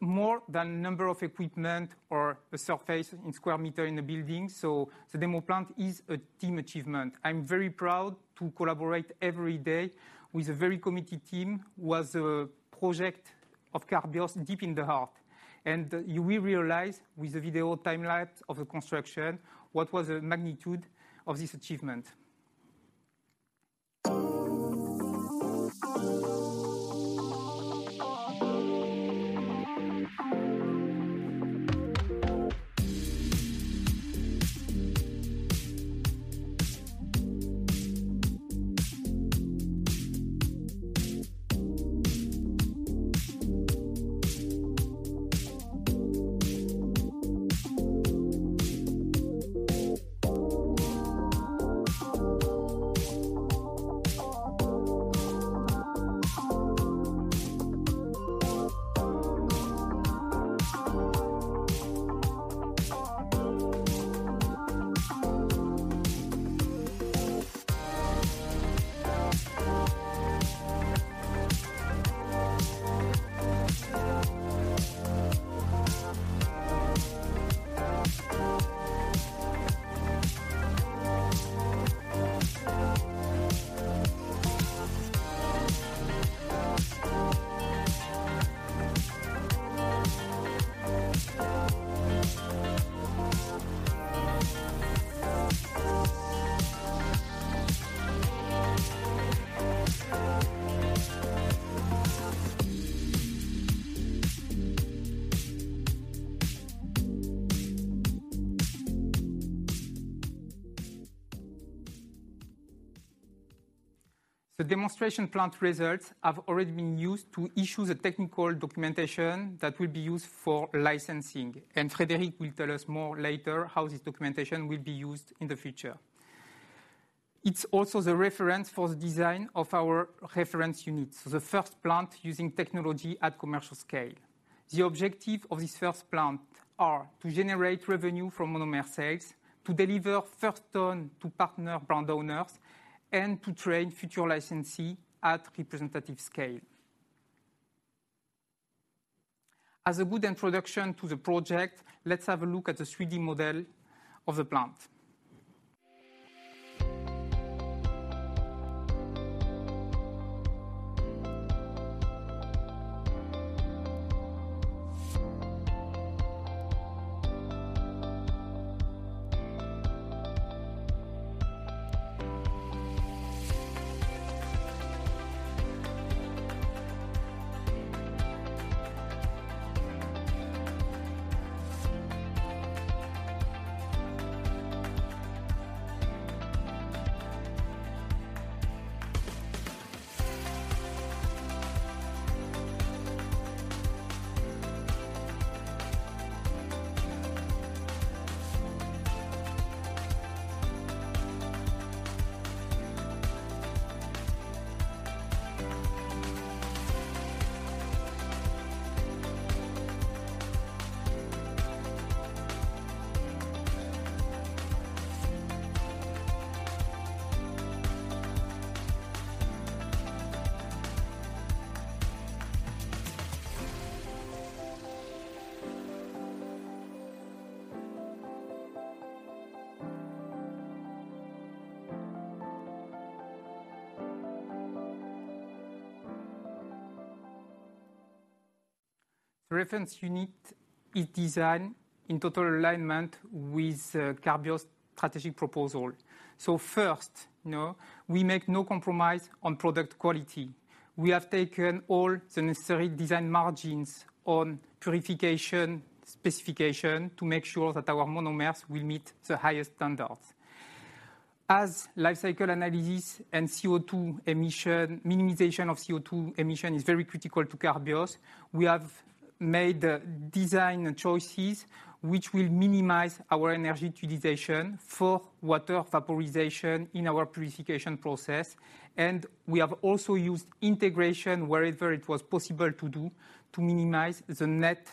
More than number of equipment or the surface in square meter in the building, so the demo plant is a team achievement. I'm very proud to collaborate every day with a very committed team, who has a project of Carbios deep in the heart. You will realize with the video timeline of the construction, what was the magnitude of this achievement. The demonstration plant results have already been used to issue the technical documentation that will be used for licensing, and Frédéric will tell us more later, how this documentation will be used in the future. It's also the reference for the design of our reference units, the first plant using technology at commercial scale. The objective of this first plant are: to generate revenue from monomer sales, to deliver first tone to partner brand owners, and to train future licensee at representative scale. As a good introduction to the project, let's have a look at the three-D model of the plant. ... The reference unit is designed in total alignment with Carbios' strategic proposal. First, you know, we make no compromise on product quality. We have taken all the necessary design margins on purification, specification to make sure that our monomers will meet the highest standards. As life cycle analysis and CO2 emission, minimization of CO2 emission, is very critical to Carbios, we have made design choices which will minimize our energy utilization for water vaporization in our purification process, and we have also used integration wherever it was possible to do, to minimize the net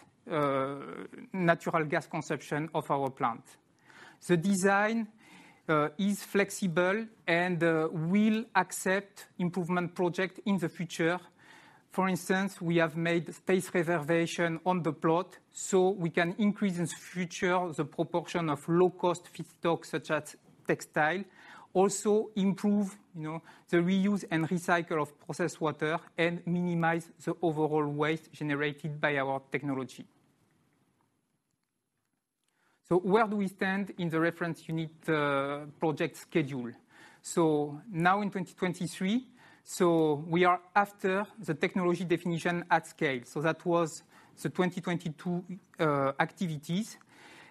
natural gas consumption of our plant. The design is flexible and will accept improvement project in the future. For instance, we have made space reservation on the plot, so we can increase, in the future, the proportion of low-cost feedstock, such as textile. Also improve, you know, the reuse and recycle of processed water, and minimize the overall waste generated by our technology. Where do we stand in the reference unit project schedule? Now in 2023, we are after the technology definition at scale. That was the 2022 activities,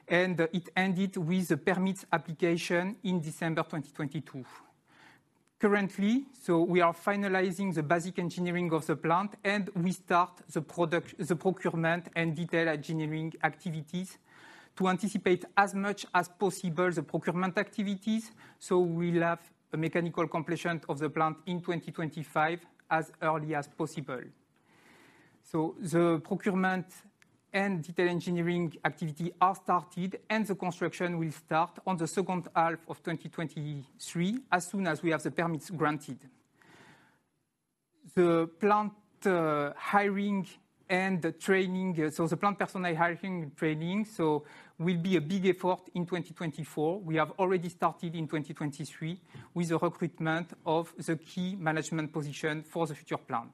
and it ended with the permits application in December 2022. Currently, we are finalizing the basic engineering of the plant, and we start the procurement and detailed engineering activities to anticipate as much as possible the procurement activities. We'll have a mechanical completion of the plant in 2025, as early as possible. The procurement and detail engineering activity are started, and the construction will start on the second half of 2023, as soon as we have the permits granted. The plant hiring and the training, the plant personnel hiring and training, will be a big effort in 2024. We have already started in 2023, with the recruitment of the key management position for the future plant.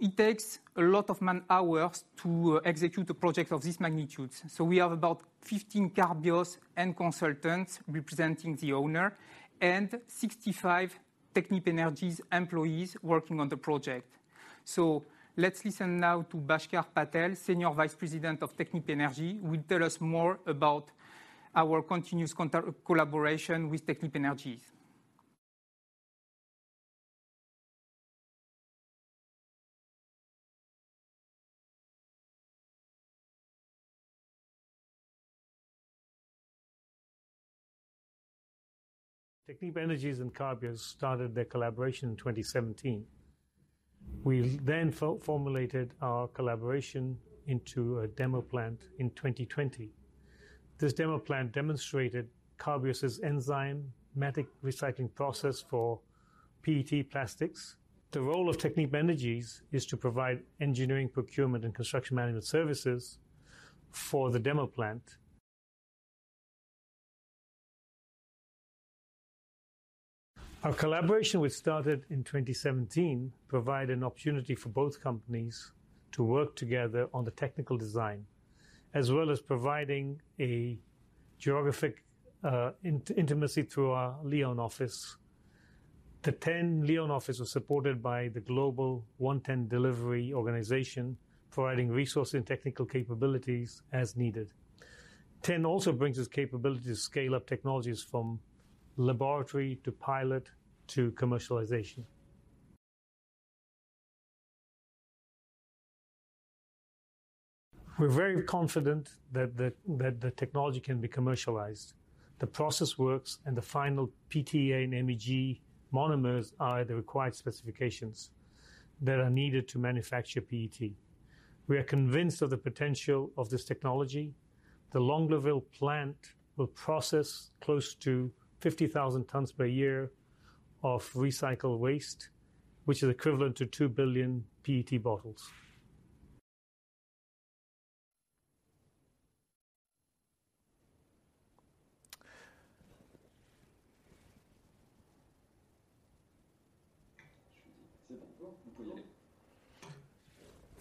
It takes a lot of man-hours to execute a project of this magnitude. We have about 15 Carbios end consultants representing the owner, and 65 Technip Energies employees working on the project. Let's listen now to Bhaskar Patel, Senior Vice President of Technip Energies, will tell us more about our continuous collaboration with Technip Energies. Technip Energies and Carbios started their collaboration in 2017. We formulated our collaboration into a demo plant in 2020. This demo plant demonstrated Carbios' enzymatic recycling process for PET plastics. The role of Technip Energies is to provide engineering, procurement, and construction management services for the demo plant. Our collaboration, which started in 2017, provide an opportunity for both companies to work together on the technical design, as well as providing a geographic intimacy through our Lyon office. The TEN Lyon office was supported by the global One TEN delivery organization, providing resources and technical capabilities as needed. TEN also brings us capability to scale up technologies from laboratory, to pilot, to commercialization. We're very confident that the technology can be commercialized. The process works, and the final PTA and MEG monomers are the required specifications that are needed to manufacture PET. We are convinced of the potential of this technology. The Longlaville plant will process close to 50,000 tons per year of recycled waste, which is equivalent to 2 billion PET bottles.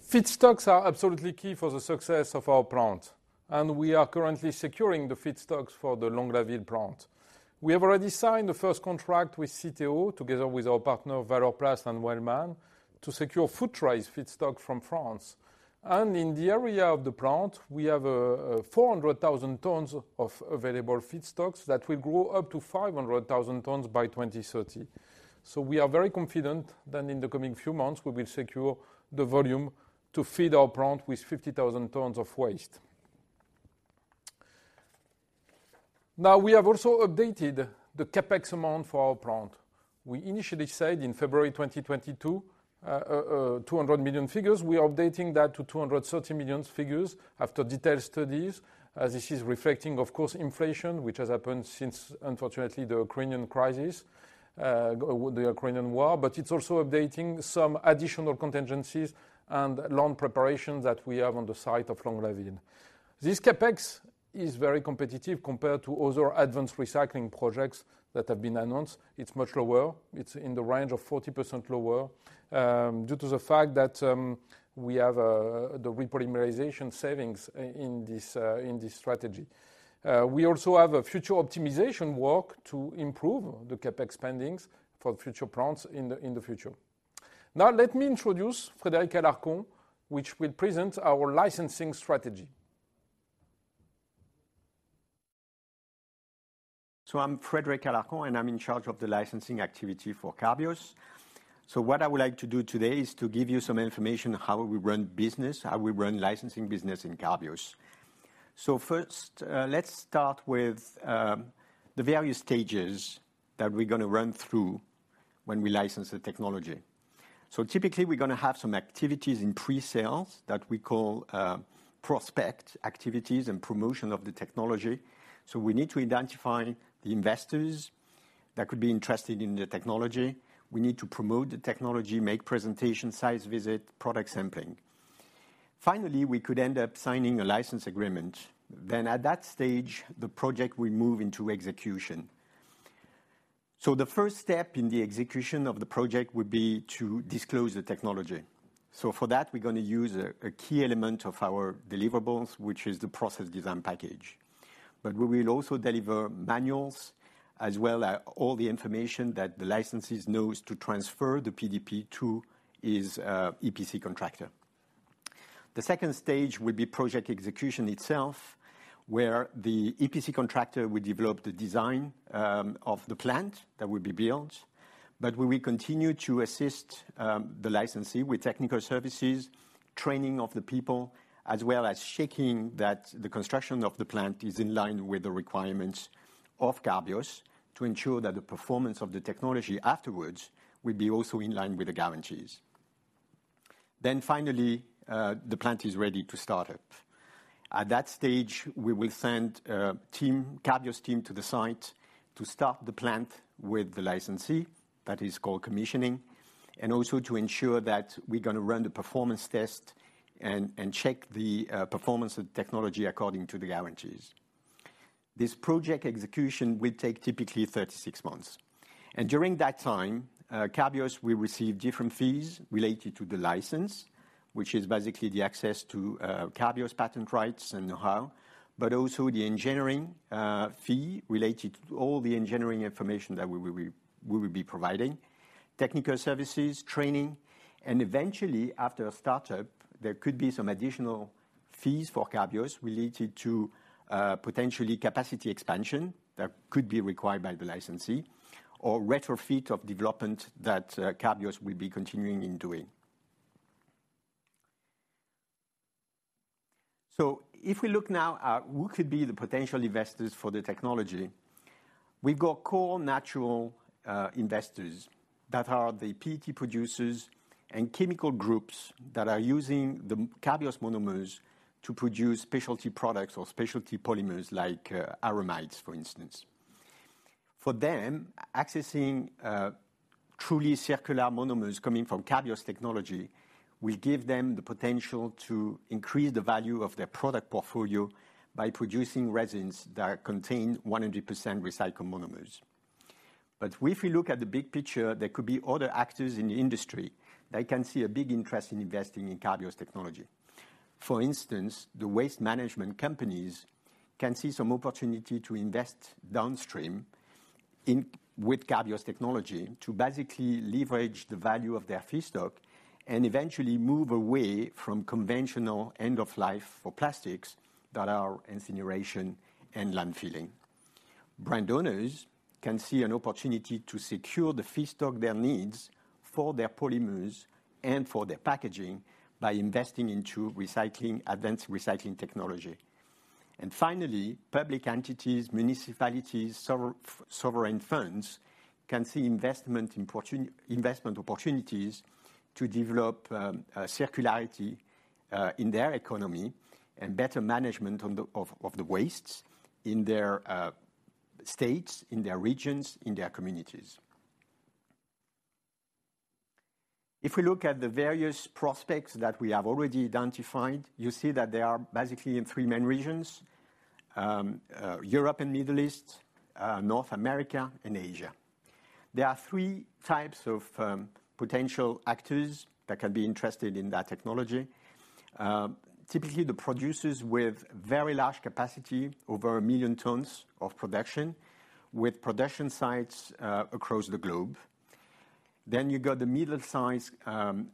Feedstocks are absolutely key for the success of our plant, and we are currently securing the feedstocks for the Longlaville plant. We have already signed the first contract with CITEO, together with our partner, Valorplast and Wellman, to secure food waste feedstock from France. In the area of the plant, we have 400,000 tons of available feedstocks that will grow up to 500,000 tons by 2030. we are very confident that in the coming few months, we will secure the volume to feed our plant with 50,000 tons of waste. Now, we have also updated the CapEx amount for our plant. We initially said in February 2022, 200 million. We are updating that to 230 million after detailed studies. This is reflecting, of course, inflation, which has happened since, unfortunately, the Ukrainian crisis with the Ukrainian war. It's also updating some additional contingencies and long preparation that we have on the site of Longlaville. This CapEx is very competitive compared to other advanced recycling projects that have been announced. It's much lower. It's in the range of 40% lower, due to the fact that we have the repolymerization savings in this strategy. We also have a future optimization work to improve the CapEx spendings for future plants in the future. Now let me introduce Frédéric Alarcon, which will present our licensing strategy. I'm Frédéric Alarcon, and I'm in charge of the licensing activity for Carbios. What I would like to do today is to give you some information, how we run business, how we run licensing business in Carbios. First, let's start with the various stages that we're going to run through when we license the technology. Typically, we're going to have some activities in pre-sales that we call prospect activities and promotion of the technology. We need to identify the investors that could be interested in the technology. We need to promote the technology, make presentation, site visit, product sampling. Finally, we could end up signing a license agreement. At that stage, the project will move into execution. The first step in the execution of the project would be to disclose the technology. For that, we're going to use a key element of our deliverables, which is the Process Design Package. We will also deliver manuals, as well as all the information that the licensees knows to transfer the PDP to his EPC contractor. The second stage will be project execution itself, where the EPC contractor will develop the design of the plant that will be built. We will continue to assist the licensee with technical services, training of the people, as well as checking that the construction of the plant is in line with the requirements of Carbios to ensure that the performance of the technology afterwards will be also in line with the guarantees. Finally, the plant is ready to start up. At that stage, we will send a team, Carbios team, to the site to start the plant with the licensee. That is called commissioning, also to ensure that we're going to run the performance test and check the performance of technology according to the guarantees. This project execution will take typically 36 months, during that time, Carbios will receive different fees related to the license, which is basically the access to Carbios' patent rights and know-how, but also the engineering fee related to all the engineering information that we will be providing, technical services, training. Eventually, after a startup, there could be some additional fees for Carbios related to potentially capacity expansion that could be required by the licensee or retrofit of development that Carbios will be continuing in doing. If we look now at who could be the potential investors for the technology, we've got core natural investors that are the PET producers and chemical groups that are using the Carbios monomers to produce specialty products or specialty polymers, like aramids, for instance. For them, accessing truly circular monomers coming from Carbios technology will give them the potential to increase the value of their product portfolio by producing resins that contain 100% recycled monomers. If we look at the big picture, there could be other actors in the industry that can see a big interest in investing in Carbios technology. For instance, the waste management companies can see some opportunity to invest downstream with Carbios technology, to basically leverage the value of their feedstock and eventually move away from conventional end-of-life for plastics that are incineration and landfilling. Brand owners can see an opportunity to secure the feedstock they needs for their polymers and for their packaging by investing into recycling, advanced recycling technology. Finally, public entities, municipalities, sovereign funds, can see investment opportunities to develop circularity in their economy and better management of the wastes in their states, in their regions, in their communities. If we look at the various prospects that we have already identified, you see that they are basically in three main regions: Europe and Middle East, North America, and Asia. There are three types of potential actors that can be interested in that technology. Typically, the producers with very large capacity, over 1 million tons of production, with production sites across the globe. You got the middle-sized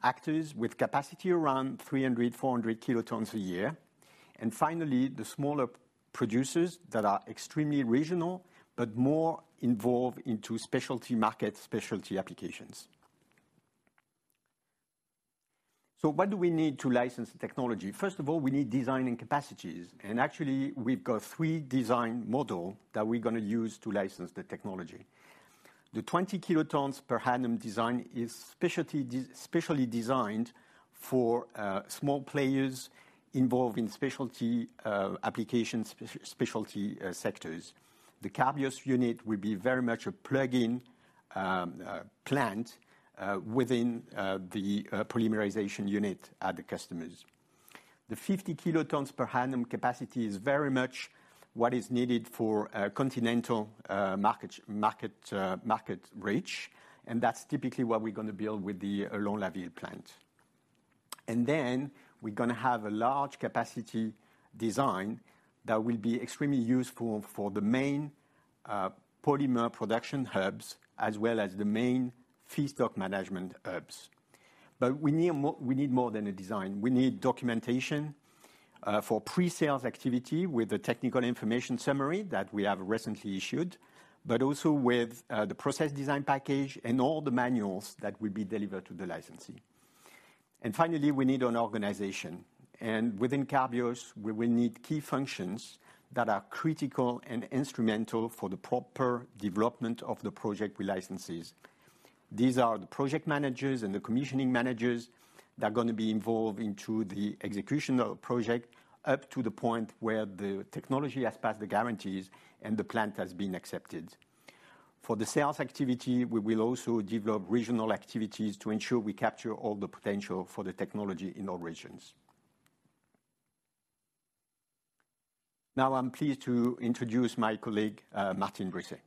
actors with capacity around 300, 400 kilotons a year. Finally, the smaller producers that are extremely regional, but more involved into specialty market, specialty applications. What do we need to license the technology? First of all, we need designing capacities, and actually, we've got three design model that we're gonna use to license the technology. The 20 kilotons per annum design is specially designed for small players involved in specialty applications, specialty sectors. The Carbios unit will be very much a plug-in plant within the polymerization unit at the customers. The 50 kilotons per annum capacity is very much what is needed for continental market reach, and that's typically what we're gonna build with the Longlaville plant. We're going to have a large capacity design that will be extremely useful for the main polymer production hubs, as well as the main feedstock management hubs. We need more, we need more than a design. We need documentation for pre-sales activity with the Technical Information Summary that we have recently issued, but also with the Process Design Package and all the manuals that will be delivered to the licensee. Finally, we need an organization. Within Carbios, we will need key functions that are critical and instrumental for the proper development of the project with licensees. These are the project managers and the commissioning managers that are going to be involved into the execution of the project, up to the point where the technology has passed the guarantees and the plant has been accepted. For the sales activity, we will also develop regional activities to ensure we capture all the potential for the technology in all regions. I'm pleased to introduce my colleague, Martine Brisset.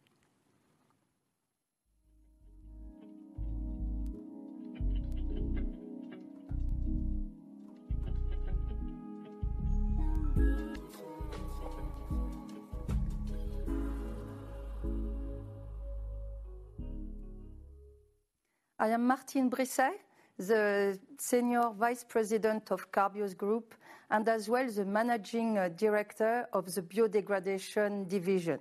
I am Martine Brisset, the Senior Vice President of Carbios Group, and as well the Managing Director of the Biodegradation Division.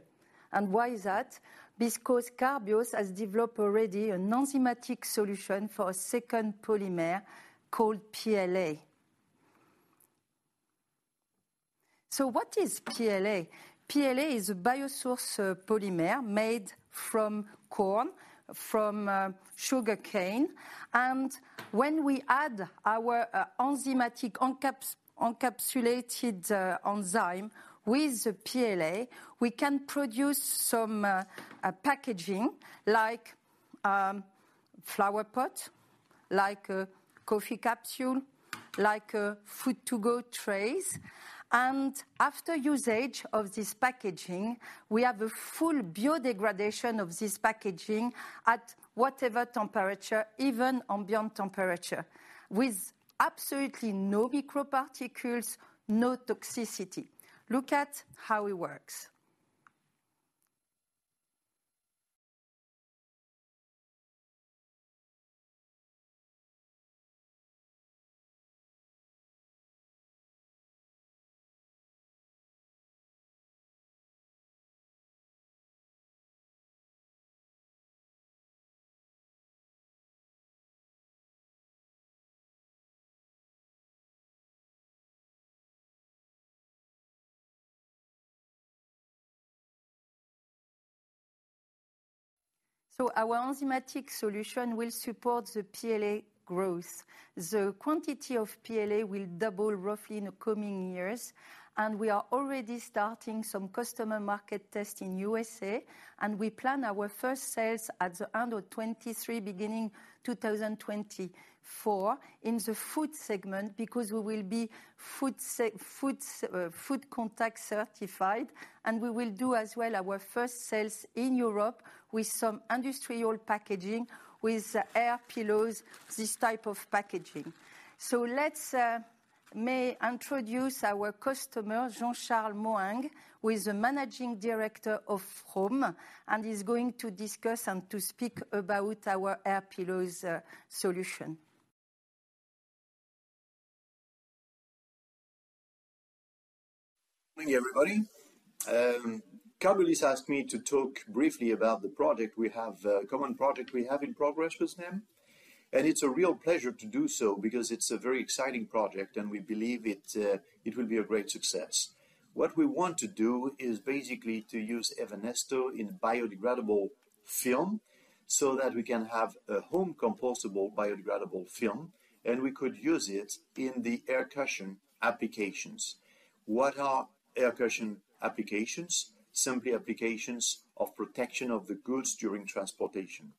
Why is that? Because Carbios has developed already a enzymatic solution for a second polymer called PLA. What is PLA? PLA is a biosource polymer made from corn, from sugarcane, and when we add our enzymatic encapsulated enzyme with the PLA, we can produce some packaging, like a flower pot, like a coffee capsule, like a food to-go trays. After usage of this packaging, we have a full biodegradation of this packaging at whatever temperature, even ambient temperature, with absolutely no microparticles, no toxicity. Look at how it works. Our enzymatic solution will support the PLA growth. The quantity of PLA will double roughly in the coming years. We are already starting some customer market test in the U.S. We plan our first sales at the end of 2023, beginning 2024, in the food segment, because we will be food contact certified. We will do as well our first sales in Europe with some industrial packaging, with air pillows, this type of packaging. Let's may introduce our customer, Jean-Charles Moang, who is the Managing Director of Roam, and he's going to discuss and to speak about our air pillows solution. Good morning, everybody. Carbios asked me to talk briefly about the project we have, common project we have in progress with them, and it's a real pleasure to do so because it's a very exciting project, and we believe it will be a great success. What we want to do is basically to use Evanesco in a biodegradable film, so that we can have a home-compostable biodegradable film, and we could use it in the air cushion applications. What are air cushion applications? Simply applications of protection of the goods during transportation.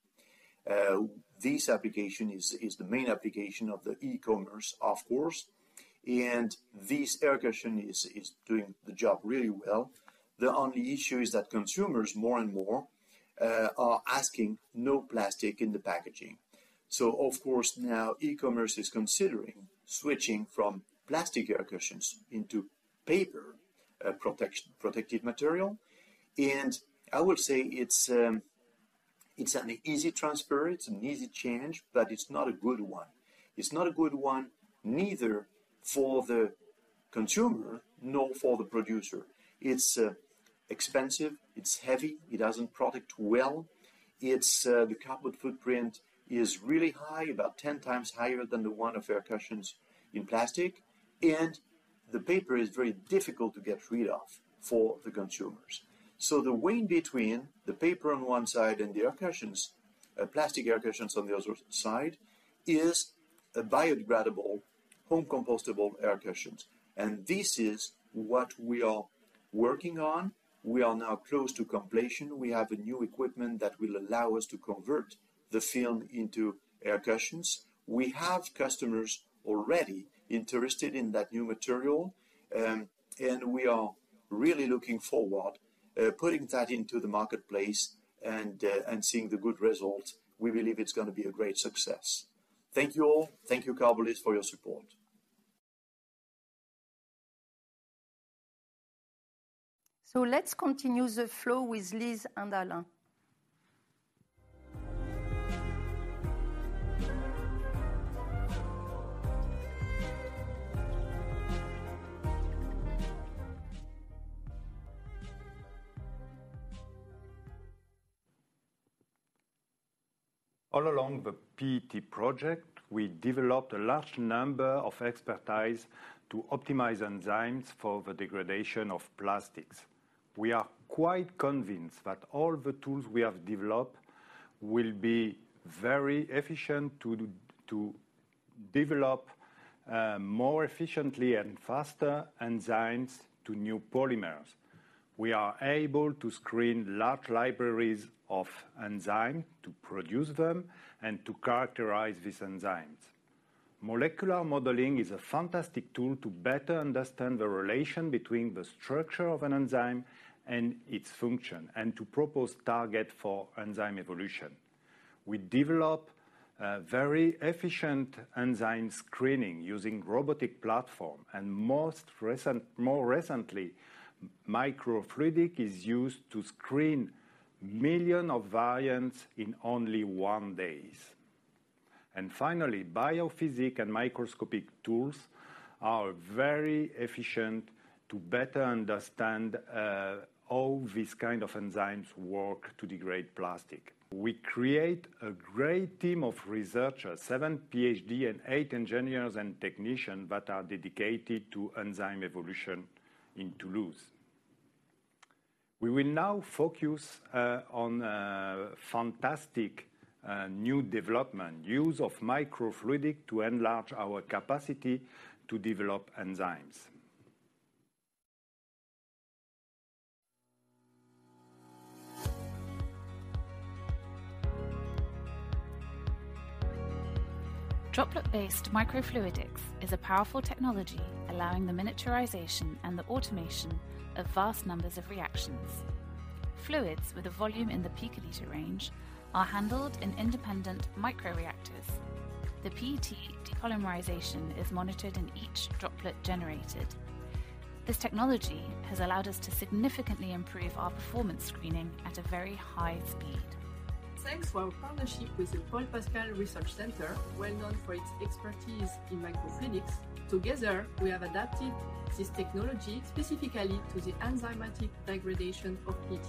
This application is the main application of the e-commerce, of course, and this air cushion is doing the job really well. The only issue is that consumers, more and more, are asking no plastic in the packaging. Of course, now e-commerce is considering switching from plastic air cushions into paper protective material. I would say it's an easy transfer, it's an easy change, but it's not a good one. It's not a good one, neither for the consumer, nor for the producer. It's expensive, it's heavy, it doesn't protect well. It's the carbon footprint is really high, about 10 times higher than the one of air cushions in plastic, and the paper is very difficult to get rid of for the consumers. The way in between the paper on one side and the air cushions, plastic air cushions on the other side, is a biodegradable, home-compostable air cushions. This is what we are working on. We are now close to completion. We have a new equipment that will allow us to convert the film into air cushions. We have customers already interested in that new material. We are really looking forward putting that into the marketplace and seeing the good results. We believe it's gonna be a great success. Thank you all. Thank you, Carbios, for your support. Let's continue the flow with Liz and Alain. All along the PET project, we developed a large number of expertise to optimize enzymes for the degradation of plastics. We are quite convinced that all the tools we have developed will be very efficient to develop more efficiently and faster enzymes to new polymers. We are able to screen large libraries of enzyme, to produce them and to characterize these enzymes. Molecular modeling is a fantastic tool to better understand the relation between the structure of an enzyme and its function, and to propose target for enzyme evolution. We develop very efficient enzyme screening using robotic platform, more recently, microfluidic is used to screen million of variants in only one days. Finally, biophysics and microscopic tools are very efficient to better understand how these kind of enzymes work to degrade plastic. We create a great team of researchers, 7 PhD and 8 engineers and technicians, that are dedicated to enzyme evolution in Toulouse. We will now focus on a fantastic new development: use of microfluidics to enlarge our capacity to develop enzymes. Droplet-based microfluidics is a powerful technology, allowing the miniaturization and the automation of vast numbers of reactions. Fluids with a volume in the picoliter range are handled in independent micro-reactors. The PET depolymerization is monitored in each droplet generated. This technology has allowed us to significantly improve our performance screening at a very high speed. Thanks to our partnership with the Paul Pascal Research Center, well-known for its expertise in microfluidics, together, we have adapted this technology specifically to the enzymatic degradation of PET.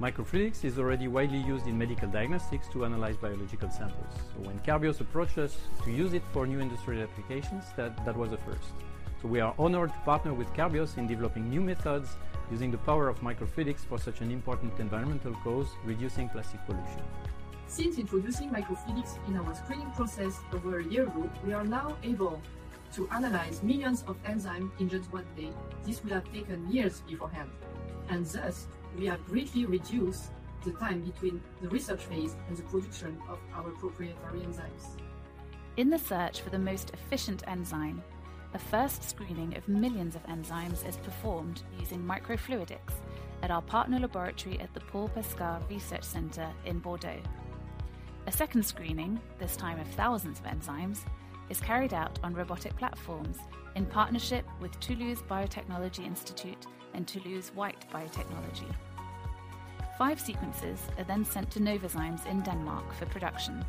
Microfluidics is already widely used in medical diagnostics to analyze biological samples. When Carbios approached us to use it for new industrial applications, that was a first. We are honored to partner with Carbios in developing new methods using the power of microfluidics for such an important environmental cause, reducing plastic pollution. Since introducing microfluidics in our screening process over 1 year ago, we are now able to analyze millions of enzymes in just 1 day. This would have taken years beforehand, and thus, we have greatly reduced the time between the research phase and the production of our proprietary enzymes. In the search for the most efficient enzyme, a first screening of millions of enzymes is performed using microfluidics at our partner laboratory at the Paul Pascal Research Center in Bordeaux. A second screening, this time of thousands of enzymes, is carried out on robotic platforms in partnership with Toulouse Biotechnology Institute and Toulouse White Biotechnology. Five sequences are sent to Novozymes in Denmark for production.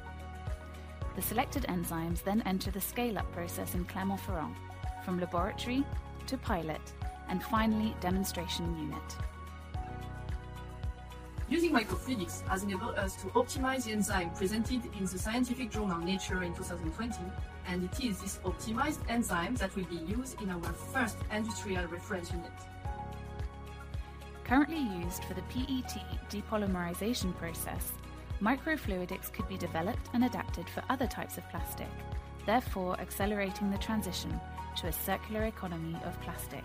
The selected enzymes enter the scale-up process in Clermont-Ferrand, from laboratory to pilot, and finally, demonstration unit. Using microfluidics has enabled us to optimize the enzyme presented in the scientific journal, Nature, in 2020, and it is this optimized enzyme that will be used in our first industrial reference unit. Currently used for the PET depolymerization process, microfluidics could be developed and adapted for other types of plastic, therefore accelerating the transition to a circular economy of plastic.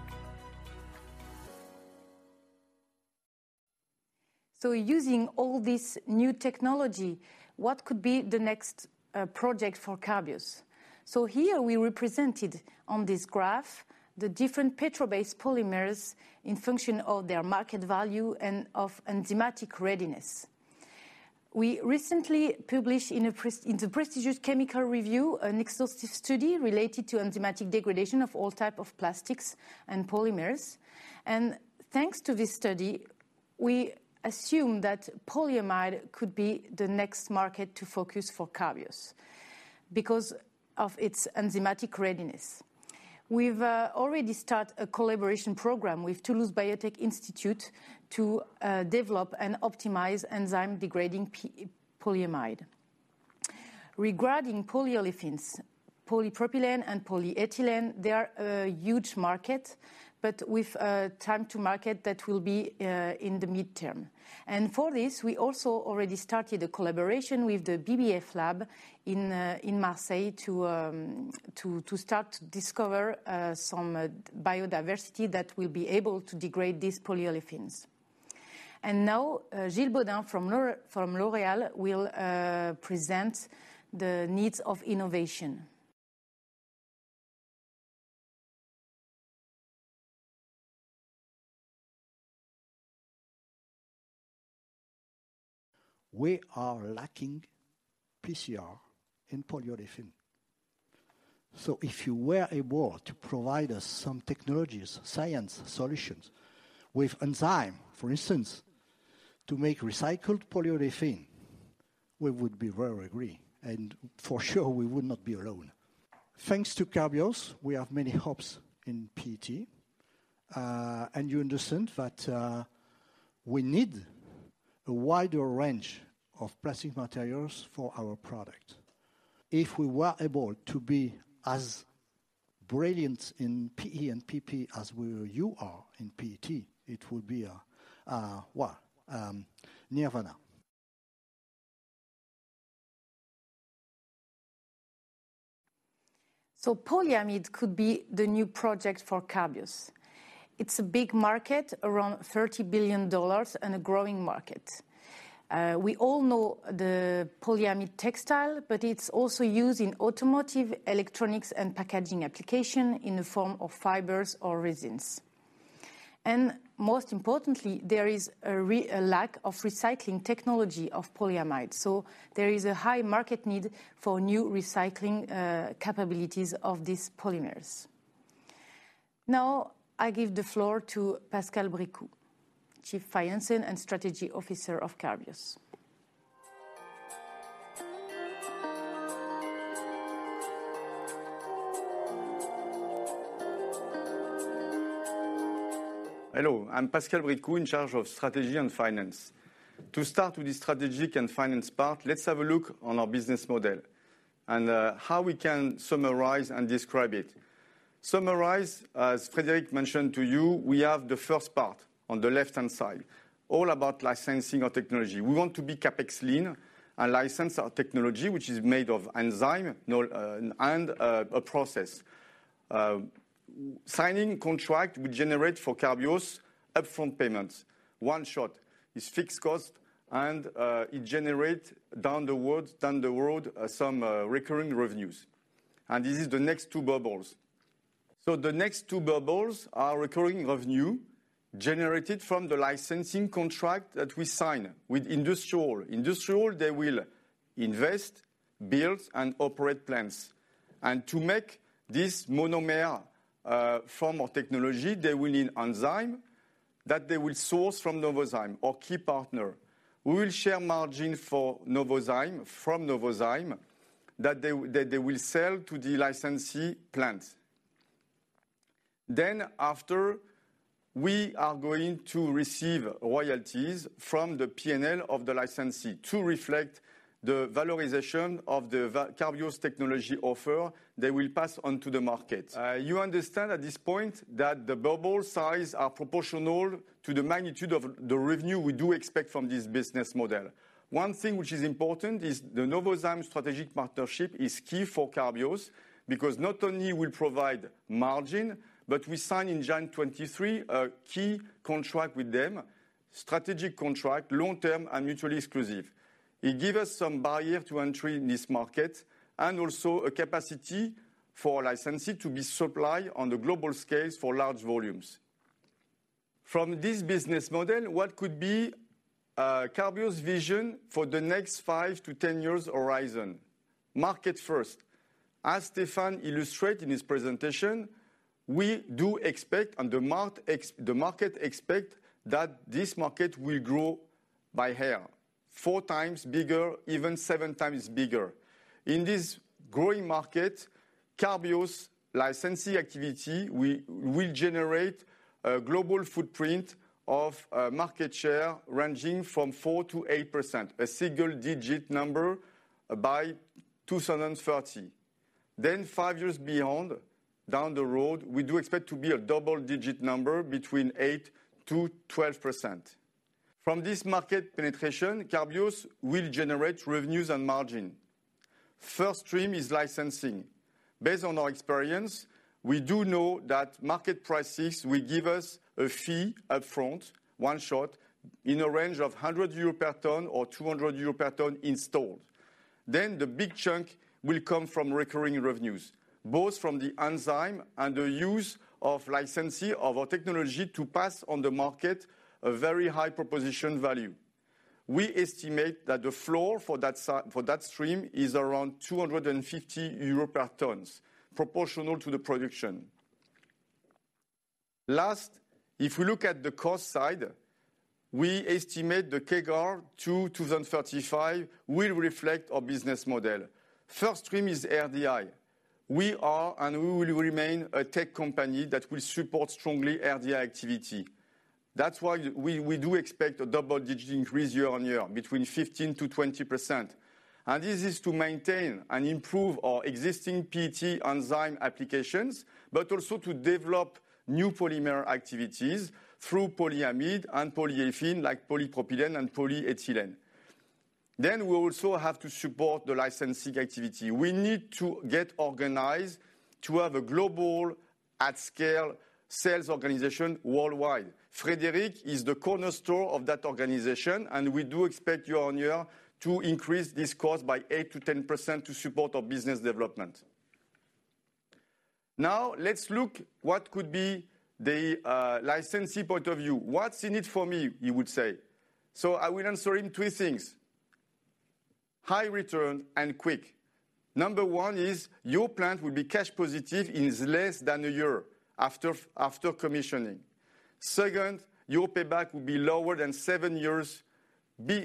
Using all this new technology, what could be the next project for Carbios? Here, we represented on this graph the different petrol-based polymers in function of their market value and of enzymatic readiness. We recently published in the prestigious Chemical Reviews, an exhaustive study related to enzymatic degradation of all type of plastics and polymers. Thanks to this study, we assume that polyamide could be the next market to focus for Carbios because of its enzymatic readiness. We've already start a collaboration program with Toulouse Biotechnology Institute to develop and optimize enzyme-degrading polyamide. Regarding polyolefins, polypropylene and polyethylene, they are a huge market, but with time to market that will be in the midterm. For this, we also already started a collaboration with the BBF lab in Marseille to start to discover some biodiversity that will be able to degrade these polyolefins. Now, Gilles Baudin from L'Oréal will present the needs of innovation. We are lacking PCR in polyolefin. If you were able to provide us some technologies, science, solutions, with enzyme, for instance, to make recycled polyolefin, we would be very agree, and for sure, we would not be alone. Thanks to Carbios, we have many hopes in PET. You understand that we need a wider range of plastic materials for our product. If we were able to be as brilliant in PE and PP as you are in PET, it would be well, nirvana. Polyamide could be the new project for Carbios. It's a big market, around $30 billion, and a growing market. We all know the polyamide textile, but it's also used in automotive, electronics, and packaging application in the form of fibers or resins. Most importantly, there is a lack of recycling technology of polyamide, so there is a high market need for new recycling capabilities of these polymers. Now, I give the floor to Pascal Bricout, Chief Financing and Strategy Officer of Carbios. Hello, I'm Pascal Bricout, in charge of strategy and finance. To start with the strategic and finance part, let's have a look on our business model and how we can summarize and describe it. Summarize, as Frédéric mentioned to you, we have the first part on the left-hand side, all about licensing our technology. We want to be CapEx lean and license our technology, which is made of enzyme and a process. Signing contract will generate for Carbios upfront payments. One shot is fixed cost and it generate down the world, down the road, some recurring revenues. This is the next two bubbles. The next two bubbles are recurring revenue generated from the licensing contract that we sign with industrial. Industrial, they will invest, build, and operate plants. To make this monomer form of technology, they will need enzyme that they will source from Novozymes, our key partner. We will share margin for Novozymes, from Novozymes, that they will sell to the licensee plant. After, we are going to receive royalties from the P&L of the licensee to reflect the valorization of the Carbios technology offer they will pass on to the market. You understand at this point that the bubble size are proportional to the magnitude of the revenue we do expect from this business model. One thing which is important is the Novozymes strategic partnership is key for Carbios, because not only we provide margin, but we sign in June 2023, a key contract with them, strategic contract, long-term, and mutually exclusive. It give us some barrier to entry in this market and also a capacity for licensee to be supplied on the global scale for large volumes. From this business model, what could be Carbios' vision for the next 5-10 years horizon? Market first. As Stéphane illustrate in his presentation, we do expect, and the market expect, that this market will grow by hair, four times bigger, even seven times bigger. In this growing market, Carbios' licensing activity will generate a global footprint of market share ranging from 4%-8%, a single digit number by 2030. Five years beyond, down the road, we do expect to be a double-digit number between 8%-12%. From this market penetration, Carbios will generate revenues and margin. First stream is licensing. Based on our experience, we do know that market prices will give us a fee up front, one shot, in a range of 100 euro per ton or 200 euro per ton installed. The big chunk will come from recurring revenues, both from the enzyme and the use of licensee of our technology to pass on the market a very high proposition value. we estimate that the floor for that for that stream is around 250 euro per tons, proportional to the production. Last, if we look at the cost side, we estimate the CAGR to 2035 will reflect our business model. First stream is RDI. We are, and we will remain, a tech company that will support strongly RDI activity. That's why we do expect a double-digit increase year-on-year, between 15%-20%. This is to maintain and improve our existing PET enzyme applications, but also to develop new polymer activities through polyamide and polyolefin, like polypropylene and polyethylene. We also have to support the licensing activity. We need to get organized to have a global, at scale, sales organization worldwide. Frédéric is the cornerstone of that organization, and we do expect year-over-year to increase this cost by 8%-10% to support our business development. Let's look what could be the licensee point of view. "What's in it for me?" he would say. I will answer in three things: high return and quick. Number 1 is your plant will be cash positive in less than one year after commissioning. Second, your payback will be lower than seven years,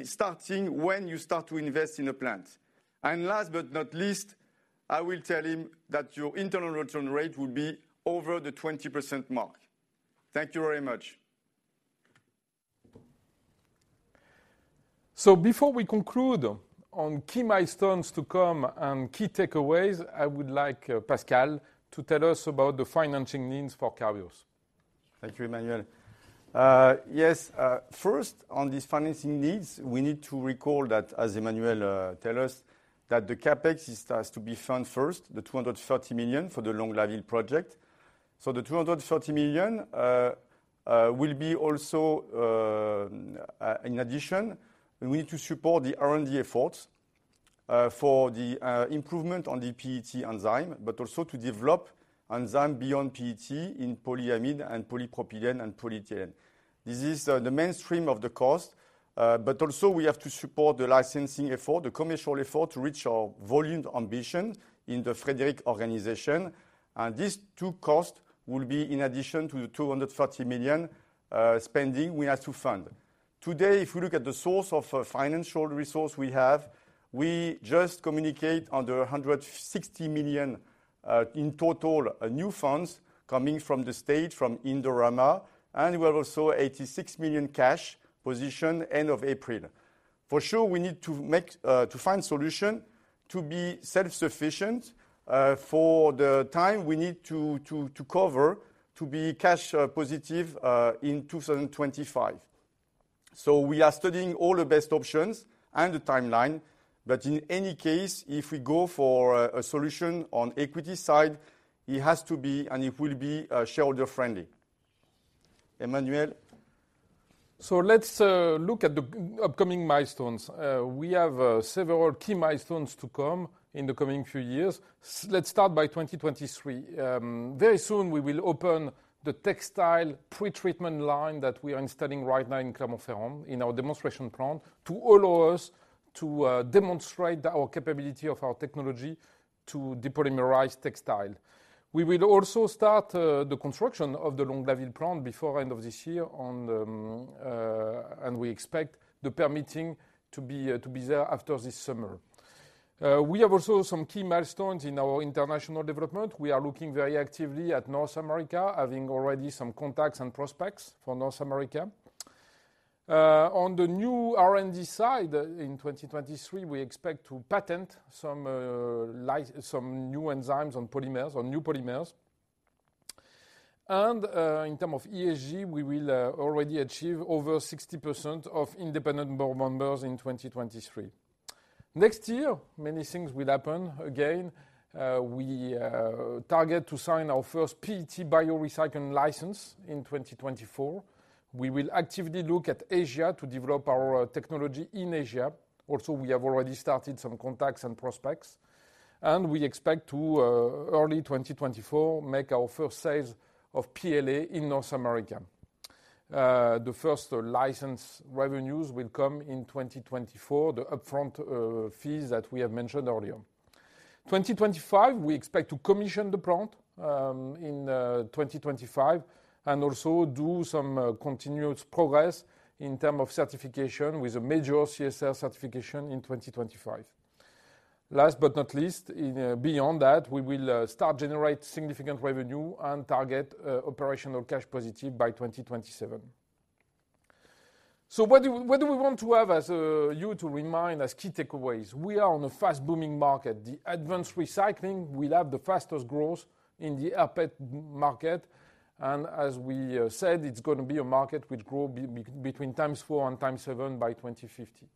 starting when you start to invest in a plant. Last but not least, I will tell him that your internal return rate will be over the 20% mark. Thank you very much. Before we conclude on key milestones to come and key takeaways, I would like, Pascal, to tell us about the financing needs for Carbios. Thank you, Emmanuel. First, on these financing needs, we need to recall that, as Emmanuel tell us, that the CapEx, it has to be funded first, the 230 million for the Longlaville project. The 230 million will be also in addition, we need to support the R&D effort for the improvement on the PET enzyme, but also to develop enzyme beyond PET in polyamide and polypropylene and polyethylene. This is the mainstream of the cost, also we have to support the licensing effort, the commercial effort, to reach our volume ambition in the Frédéric organization. These two costs will be in addition to the 230 million spending we have to fund. Today, if you look at the source of financial resource we have, we just communicate on 160 million in total new funds coming from the state, from Indorama, and we have also 86 million cash position end of April. For sure, we need to find solution to be self-sufficient for the time we need to cover, to be cash positive in 2025. We are studying all the best options and the timeline, but in any case, if we go for a solution on equity side, it has to be and it will be shareholder friendly. Emmanuel? Let's look at the upcoming milestones. We have several key milestones to come in the coming few years. Let's start by 2023. Very soon, we will open the textile pretreatment line that we are installing right now in Clermont-Ferrand, in our demonstration plant, to allow us to demonstrate our capability of our technology to depolymerize textile. We will also start the construction of the Longlaville plant before end of this year. We expect the permitting to be there after this summer. We have also some key milestones in our international development. We are looking very actively at North America, having already some contacts and prospects for North America. On the new R&D side, in 2023, we expect to patent some new enzymes on new polymers. In term of ESG, we will already achieve over 60% of independent board members in 2023. Next year, many things will happen again. We target to sign our first PET bio-recycling license in 2024. We will actively look at Asia to develop our technology in Asia. We have already started some contacts and prospects, and we expect to early 2024, make our first sales of PLA in North America. The first license revenues will come in 2024, the upfront fees that we have mentioned earlier. 2025, we expect to commission the plant in 2025, and also do some continuous progress in term of certification with a major CSR certification in 2025. Last but not least, beyond that, we will start generate significant revenue and target operational cash positive by 2027. What do we want to have as you to remind as key takeaways? We are on a fast-booming market. The advanced recycling will have the fastest growth in the rPET market, and as we said, it's gonna be a market which grow between times 4 and times 7 by 2050.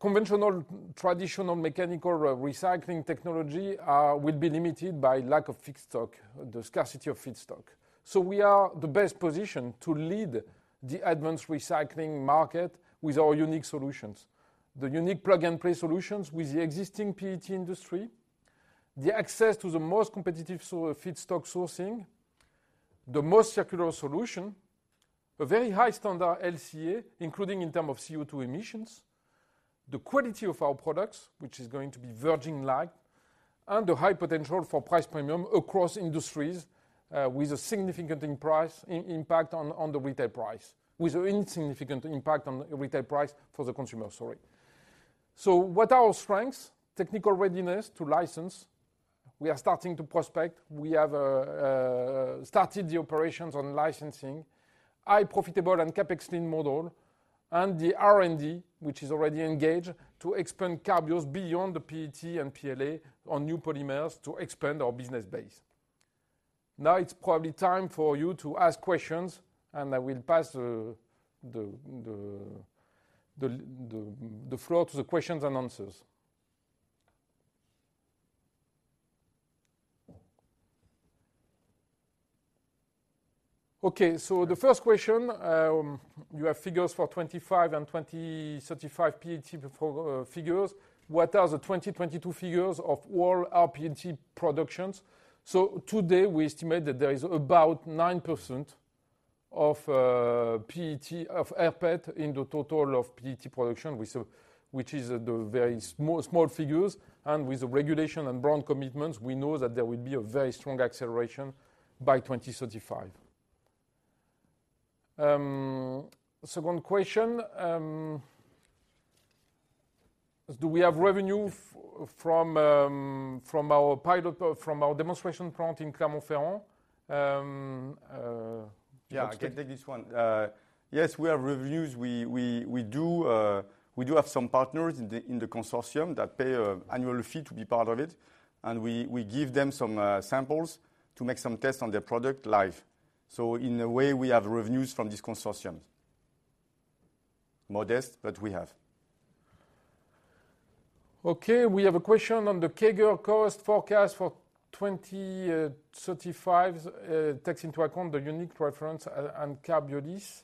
Conventional, traditional mechanical recycling technology will be limited by lack of feedstock, the scarcity of feedstock. We are the best positioned to lead the advanced recycling market with our unique solutions. The unique plug-and-play solutions with the existing PET industry, the access to the most competitive feedstock sourcing... the most circular solution, a very high standard LCA, including in term of CO2 emissions. The quality of our products, which is going to be virgin-like, and a high potential for price premium across industries, with a significant in price, impact on retail price. With an insignificant impact on retail price for the consumer, sorry. What are our strengths? Technical readiness to license. We are starting to prospect. We have started the operations on licensing, high profitable and CapEx-lean model, and the R&D, which is already engaged, to expand Carbios beyond the PET and PLA on new polymers to expand our business base. Now it's probably time for you to ask questions, and I will pass the floor to the questions and answers. The first question: You have figures for 2025 and 2035 PET before figures. What are the 2022 figures of all rPET productions? Today, we estimate that there is about 9% of rPET in the total of PET production, which is the very small figures, and with the regulation and brand commitments, we know that there will be a very strong acceleration by 2035. Second question: Do we have revenue from our pilot, from our demonstration plant in Clermont-Ferrand? Yeah, I can take this one. Yes, we have revenues. We do have some partners in the consortium that pay a annual fee to be part of it, and we give them some samples to make some tests on their product live. In a way, we have revenues from this consortium. Modest, but we have. Okay, we have a question on the CapEx cost forecast for 2035, takes into account the unique reference and Carbios.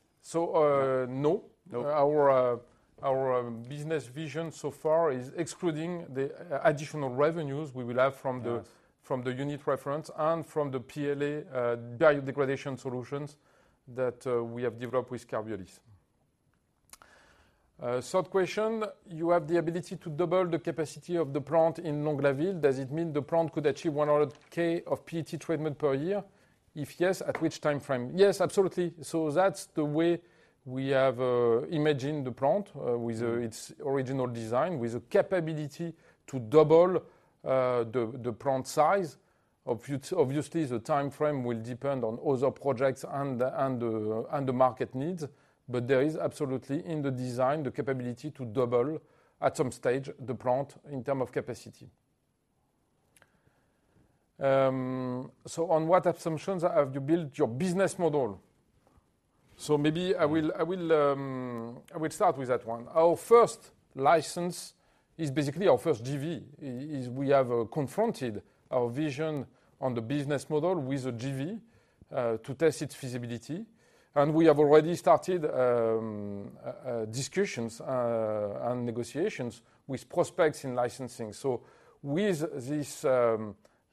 No. No. Our business vision so far is excluding the additional revenues we will have from the. Yes From the unit reference and from the PLA biodegradation solutions that we have developed with Carbios. Third question: You have the ability to double the capacity of the plant in Longlaville. Does it mean the plant could achieve 100K of PET treatment per year? If yes, at which timeframe? Yes, absolutely. That's the way we have imagined the plant with its original design, with the capability to double the plant size. Obviously, the timeframe will depend on other projects and the market needs, but there is absolutely, in the design, the capability to double, at some stage, the plant in term of capacity. On what assumptions have you built your business model? Maybe I will start with that one. Our first license is basically our first JV. is we have confronted our vision on the business model with a JV to test its feasibility, and we have already started discussions and negotiations with prospects in licensing. With this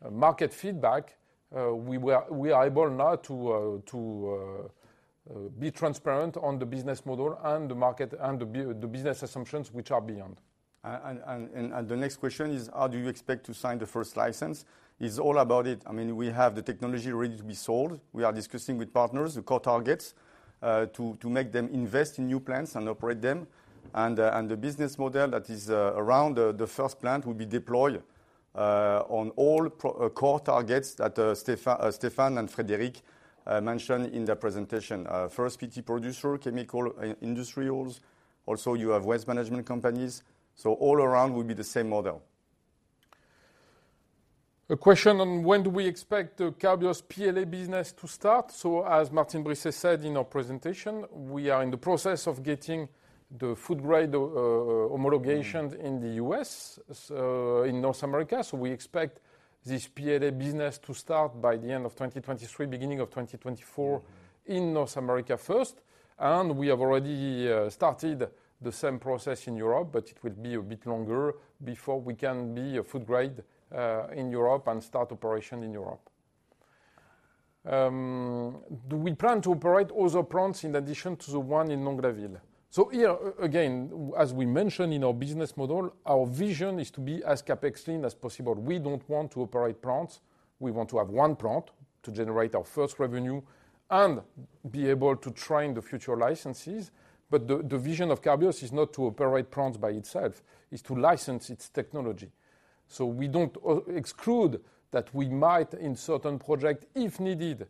market feedback, we are able now to be transparent on the business model and the market and the business assumptions, which are beyond. The next question is: How do you expect to sign the first license? It's all about it. I mean, we have the technology ready to be sold. We are discussing with partners, the core targets, to make them invest in new plants and operate them. The business model that is around the first plant will be deployed on all core targets that Stefan and Frédéric mentioned in their presentation. First, PET producer, chemical industrials, also, you have waste management companies, so all around will be the same model. A question on when do we expect the Carbios PLA business to start? As Martine Brisset said in our presentation, we are in the process of getting the food grade homologation in the U.S. in North America. We expect this PLA business to start by the end of 2023, beginning of 2024. Mm-hmm. In North America first, we have already started the same process in Europe. It will be a bit longer before we can be a food grade in Europe and start operation in Europe. Do we plan to operate other plants in addition to the one in Longlaville? Here, again, as we mentioned in our business model, our vision is to be as CapEx-lean as possible. We don't want to operate plants. We want to have one plant to generate our first revenue and be able to train the future licensees. The vision of Carbios is not to operate plants by itself, is to license its technology. We don't exclude that we might, in certain project, if needed,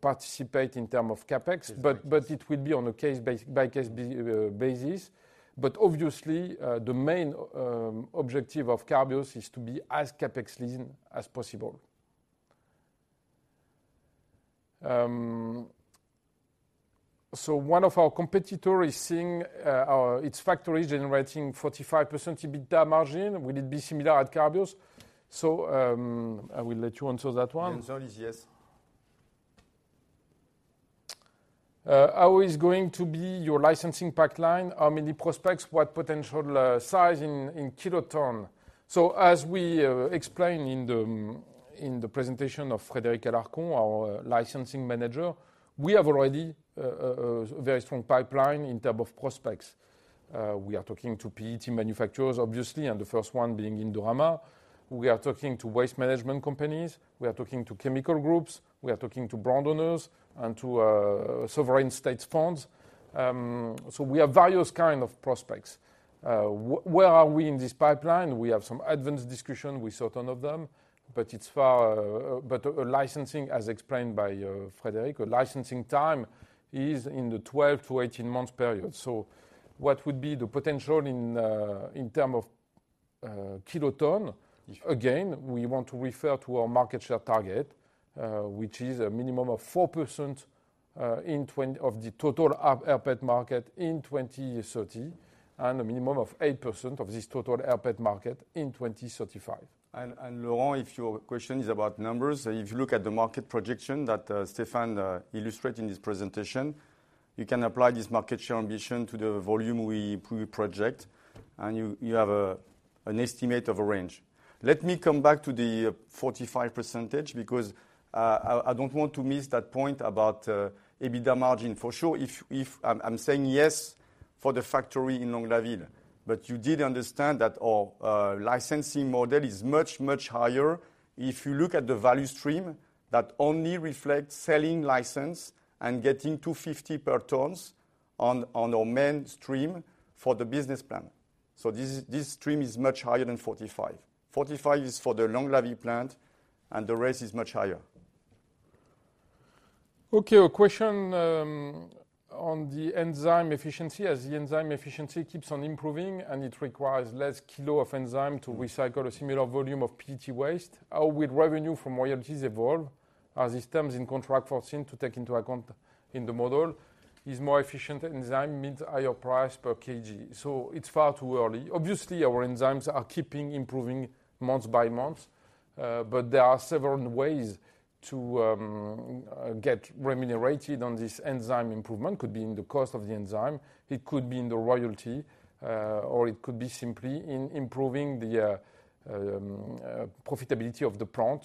participate in term of CapEx. Yes. It will be on a case-by-case basis. Obviously, the main objective of Carbios is to be as CapEx-lean as possible. One of our competitor is seeing its factory generating 45% EBITDA margin. Will it be similar at Carbios? I will let you answer that one. The answer is yes.... how is going to be your licensing pipeline? How many prospects? What potential size in kiloton? As we explained in the presentation of Frédéric Alarcon, our licensing manager, we have already a very strong pipeline in term of prospects. We are talking to PET manufacturers, obviously, and the first one being Indorama. We are talking to waste management companies. We are talking to chemical groups. We are talking to brand owners and to sovereign state funds. We have various kind of prospects. Where are we in this pipeline? We have some advanced discussion with certain of them, but licensing, as explained by Frédéric, a licensing time is in the 12-18 months period. What would be the potential in term of kiloton? Again, we want to refer to our market share target, which is a minimum of 4% of the total rPET market in 2030, and a minimum of 8% of this total rPET market in 2035. Laurent, if your question is about numbers, if you look at the market projection that Stéphane illustrate in his presentation, you can apply this market share ambition to the volume we project, and you have an estimate of a range. Let me come back to the 45%, because I don't want to miss that point about EBITDA margin. For sure, if I'm saying yes for the factory in Longlaville, but you did understand that our licensing model is much higher. If you look at the value stream, that only reflects selling license and getting 250 per tons on our main stream for the business plan. This stream is much higher than 45%. 45% is for the Longlaville plant, and the rest is much higher. A question on the enzyme efficiency. As the enzyme efficiency keeps on improving, and it requires less kilo of enzyme to recycle a similar volume of PET waste, how will revenue from royalties evolve? Are these terms in contract foreseen to take into account in the model, is more efficient enzyme means higher price per kg? It's far too early. Obviously, our enzymes are keeping improving month by month, but there are several ways to get remunerated on this enzyme improvement. Could be in the cost of the enzyme, it could be in the royalty, or it could be simply in improving the profitability of the plant.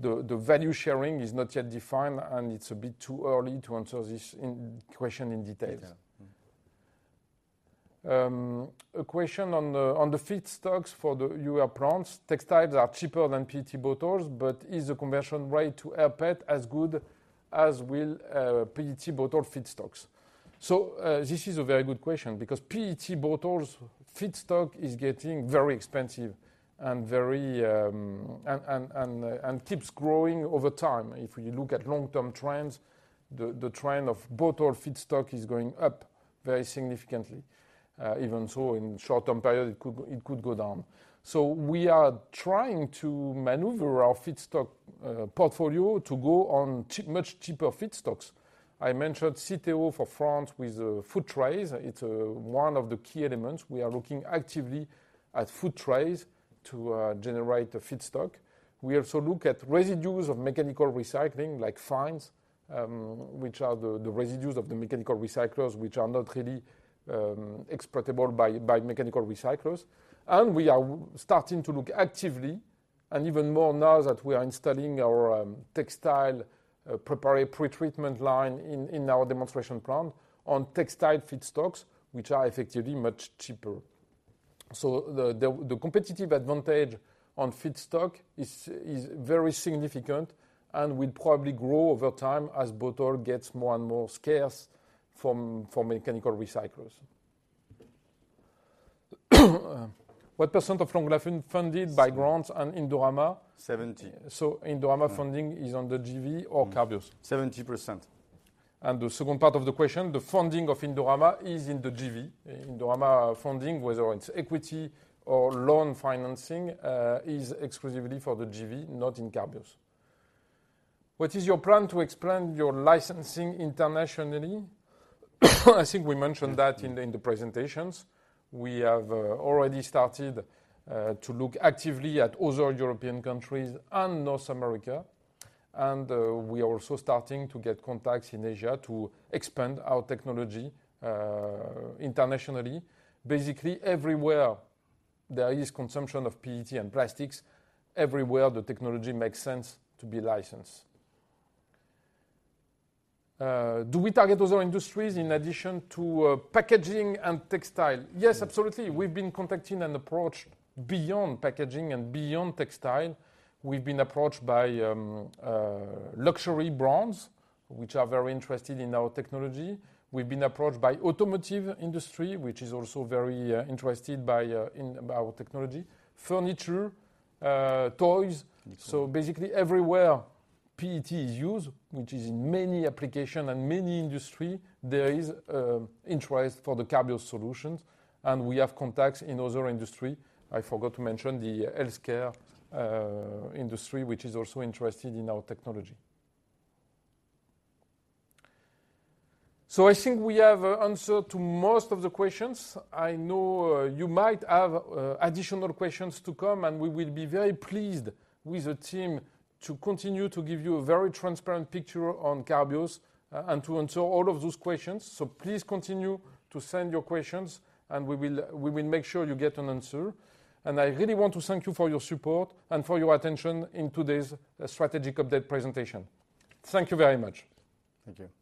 The value sharing is not yet defined, and it's a bit too early to answer this question in details. Yeah. A question on the feedstocks for your plants. Textiles are cheaper than PET bottles, but is the conversion rate to rPET as good as will PET bottle feedstocks? This is a very good question, because PET bottles feedstock is getting very expensive and very and keeps growing over time. If we look at long-term trends, the trend of bottle feedstock is going up very significantly. Even so, in short term period, it could go down. We are trying to maneuver our feedstock portfolio to go on much cheaper feedstocks. I mentioned CITEO for France with food trays. It's one of the key elements. We are looking actively at food trays to generate a feedstock. We also look at residues of mechanical recycling, like fines, which are the residues of the mechanical recyclers, which are not really exploitable by mechanical recyclers. We are starting to look actively, even more now that we are installing our textile pretreatment line in our demonstration plant on textile feedstocks, which are effectively much cheaper. The competitive advantage on feedstock is very significant and will probably grow over time as bottle gets more and more scarce from mechanical recyclers. What percent of Longlaville funded by grants and Indorama? 70%. Indorama funding is under G.V. or Carbios? 70%. The second part of the question, the funding of Indorama is in the GV. Indorama funding, whether it's equity or loan financing, is exclusively for the GV, not in Carbios. What is your plan to expand your licensing internationally? I think we mentioned that in the presentations. We have already started to look actively at other European countries and North America, and we are also starting to get contacts in Asia to expand our technology internationally. Basically, everywhere there is consumption of PET and plastics, everywhere the technology makes sense to be licensed. Do we target other industries in addition to packaging and textile? Yes, absolutely. We've been contacting and approached beyond packaging and beyond textile. We've been approached by luxury brands, which are very interested in our technology. We've been approached by automotive industry, which is also very interested by our technology. Furniture, toys. Basically, everywhere PET is used, which is in many applications and many industries, there is interest for the Carbios solutions, and we have contacts in other industries. I forgot to mention the healthcare industry, which is also interested in our technology. I think we have answered to most of the questions. I know you might have additional questions to come, and we will be very pleased with the team to continue to give you a very transparent picture on Carbios and to answer all of those questions. Please continue to send your questions, and we will make sure you get an answer. I really want to thank you for your support and for your attention in today's strategic update presentation. Thank you very much. Thank you.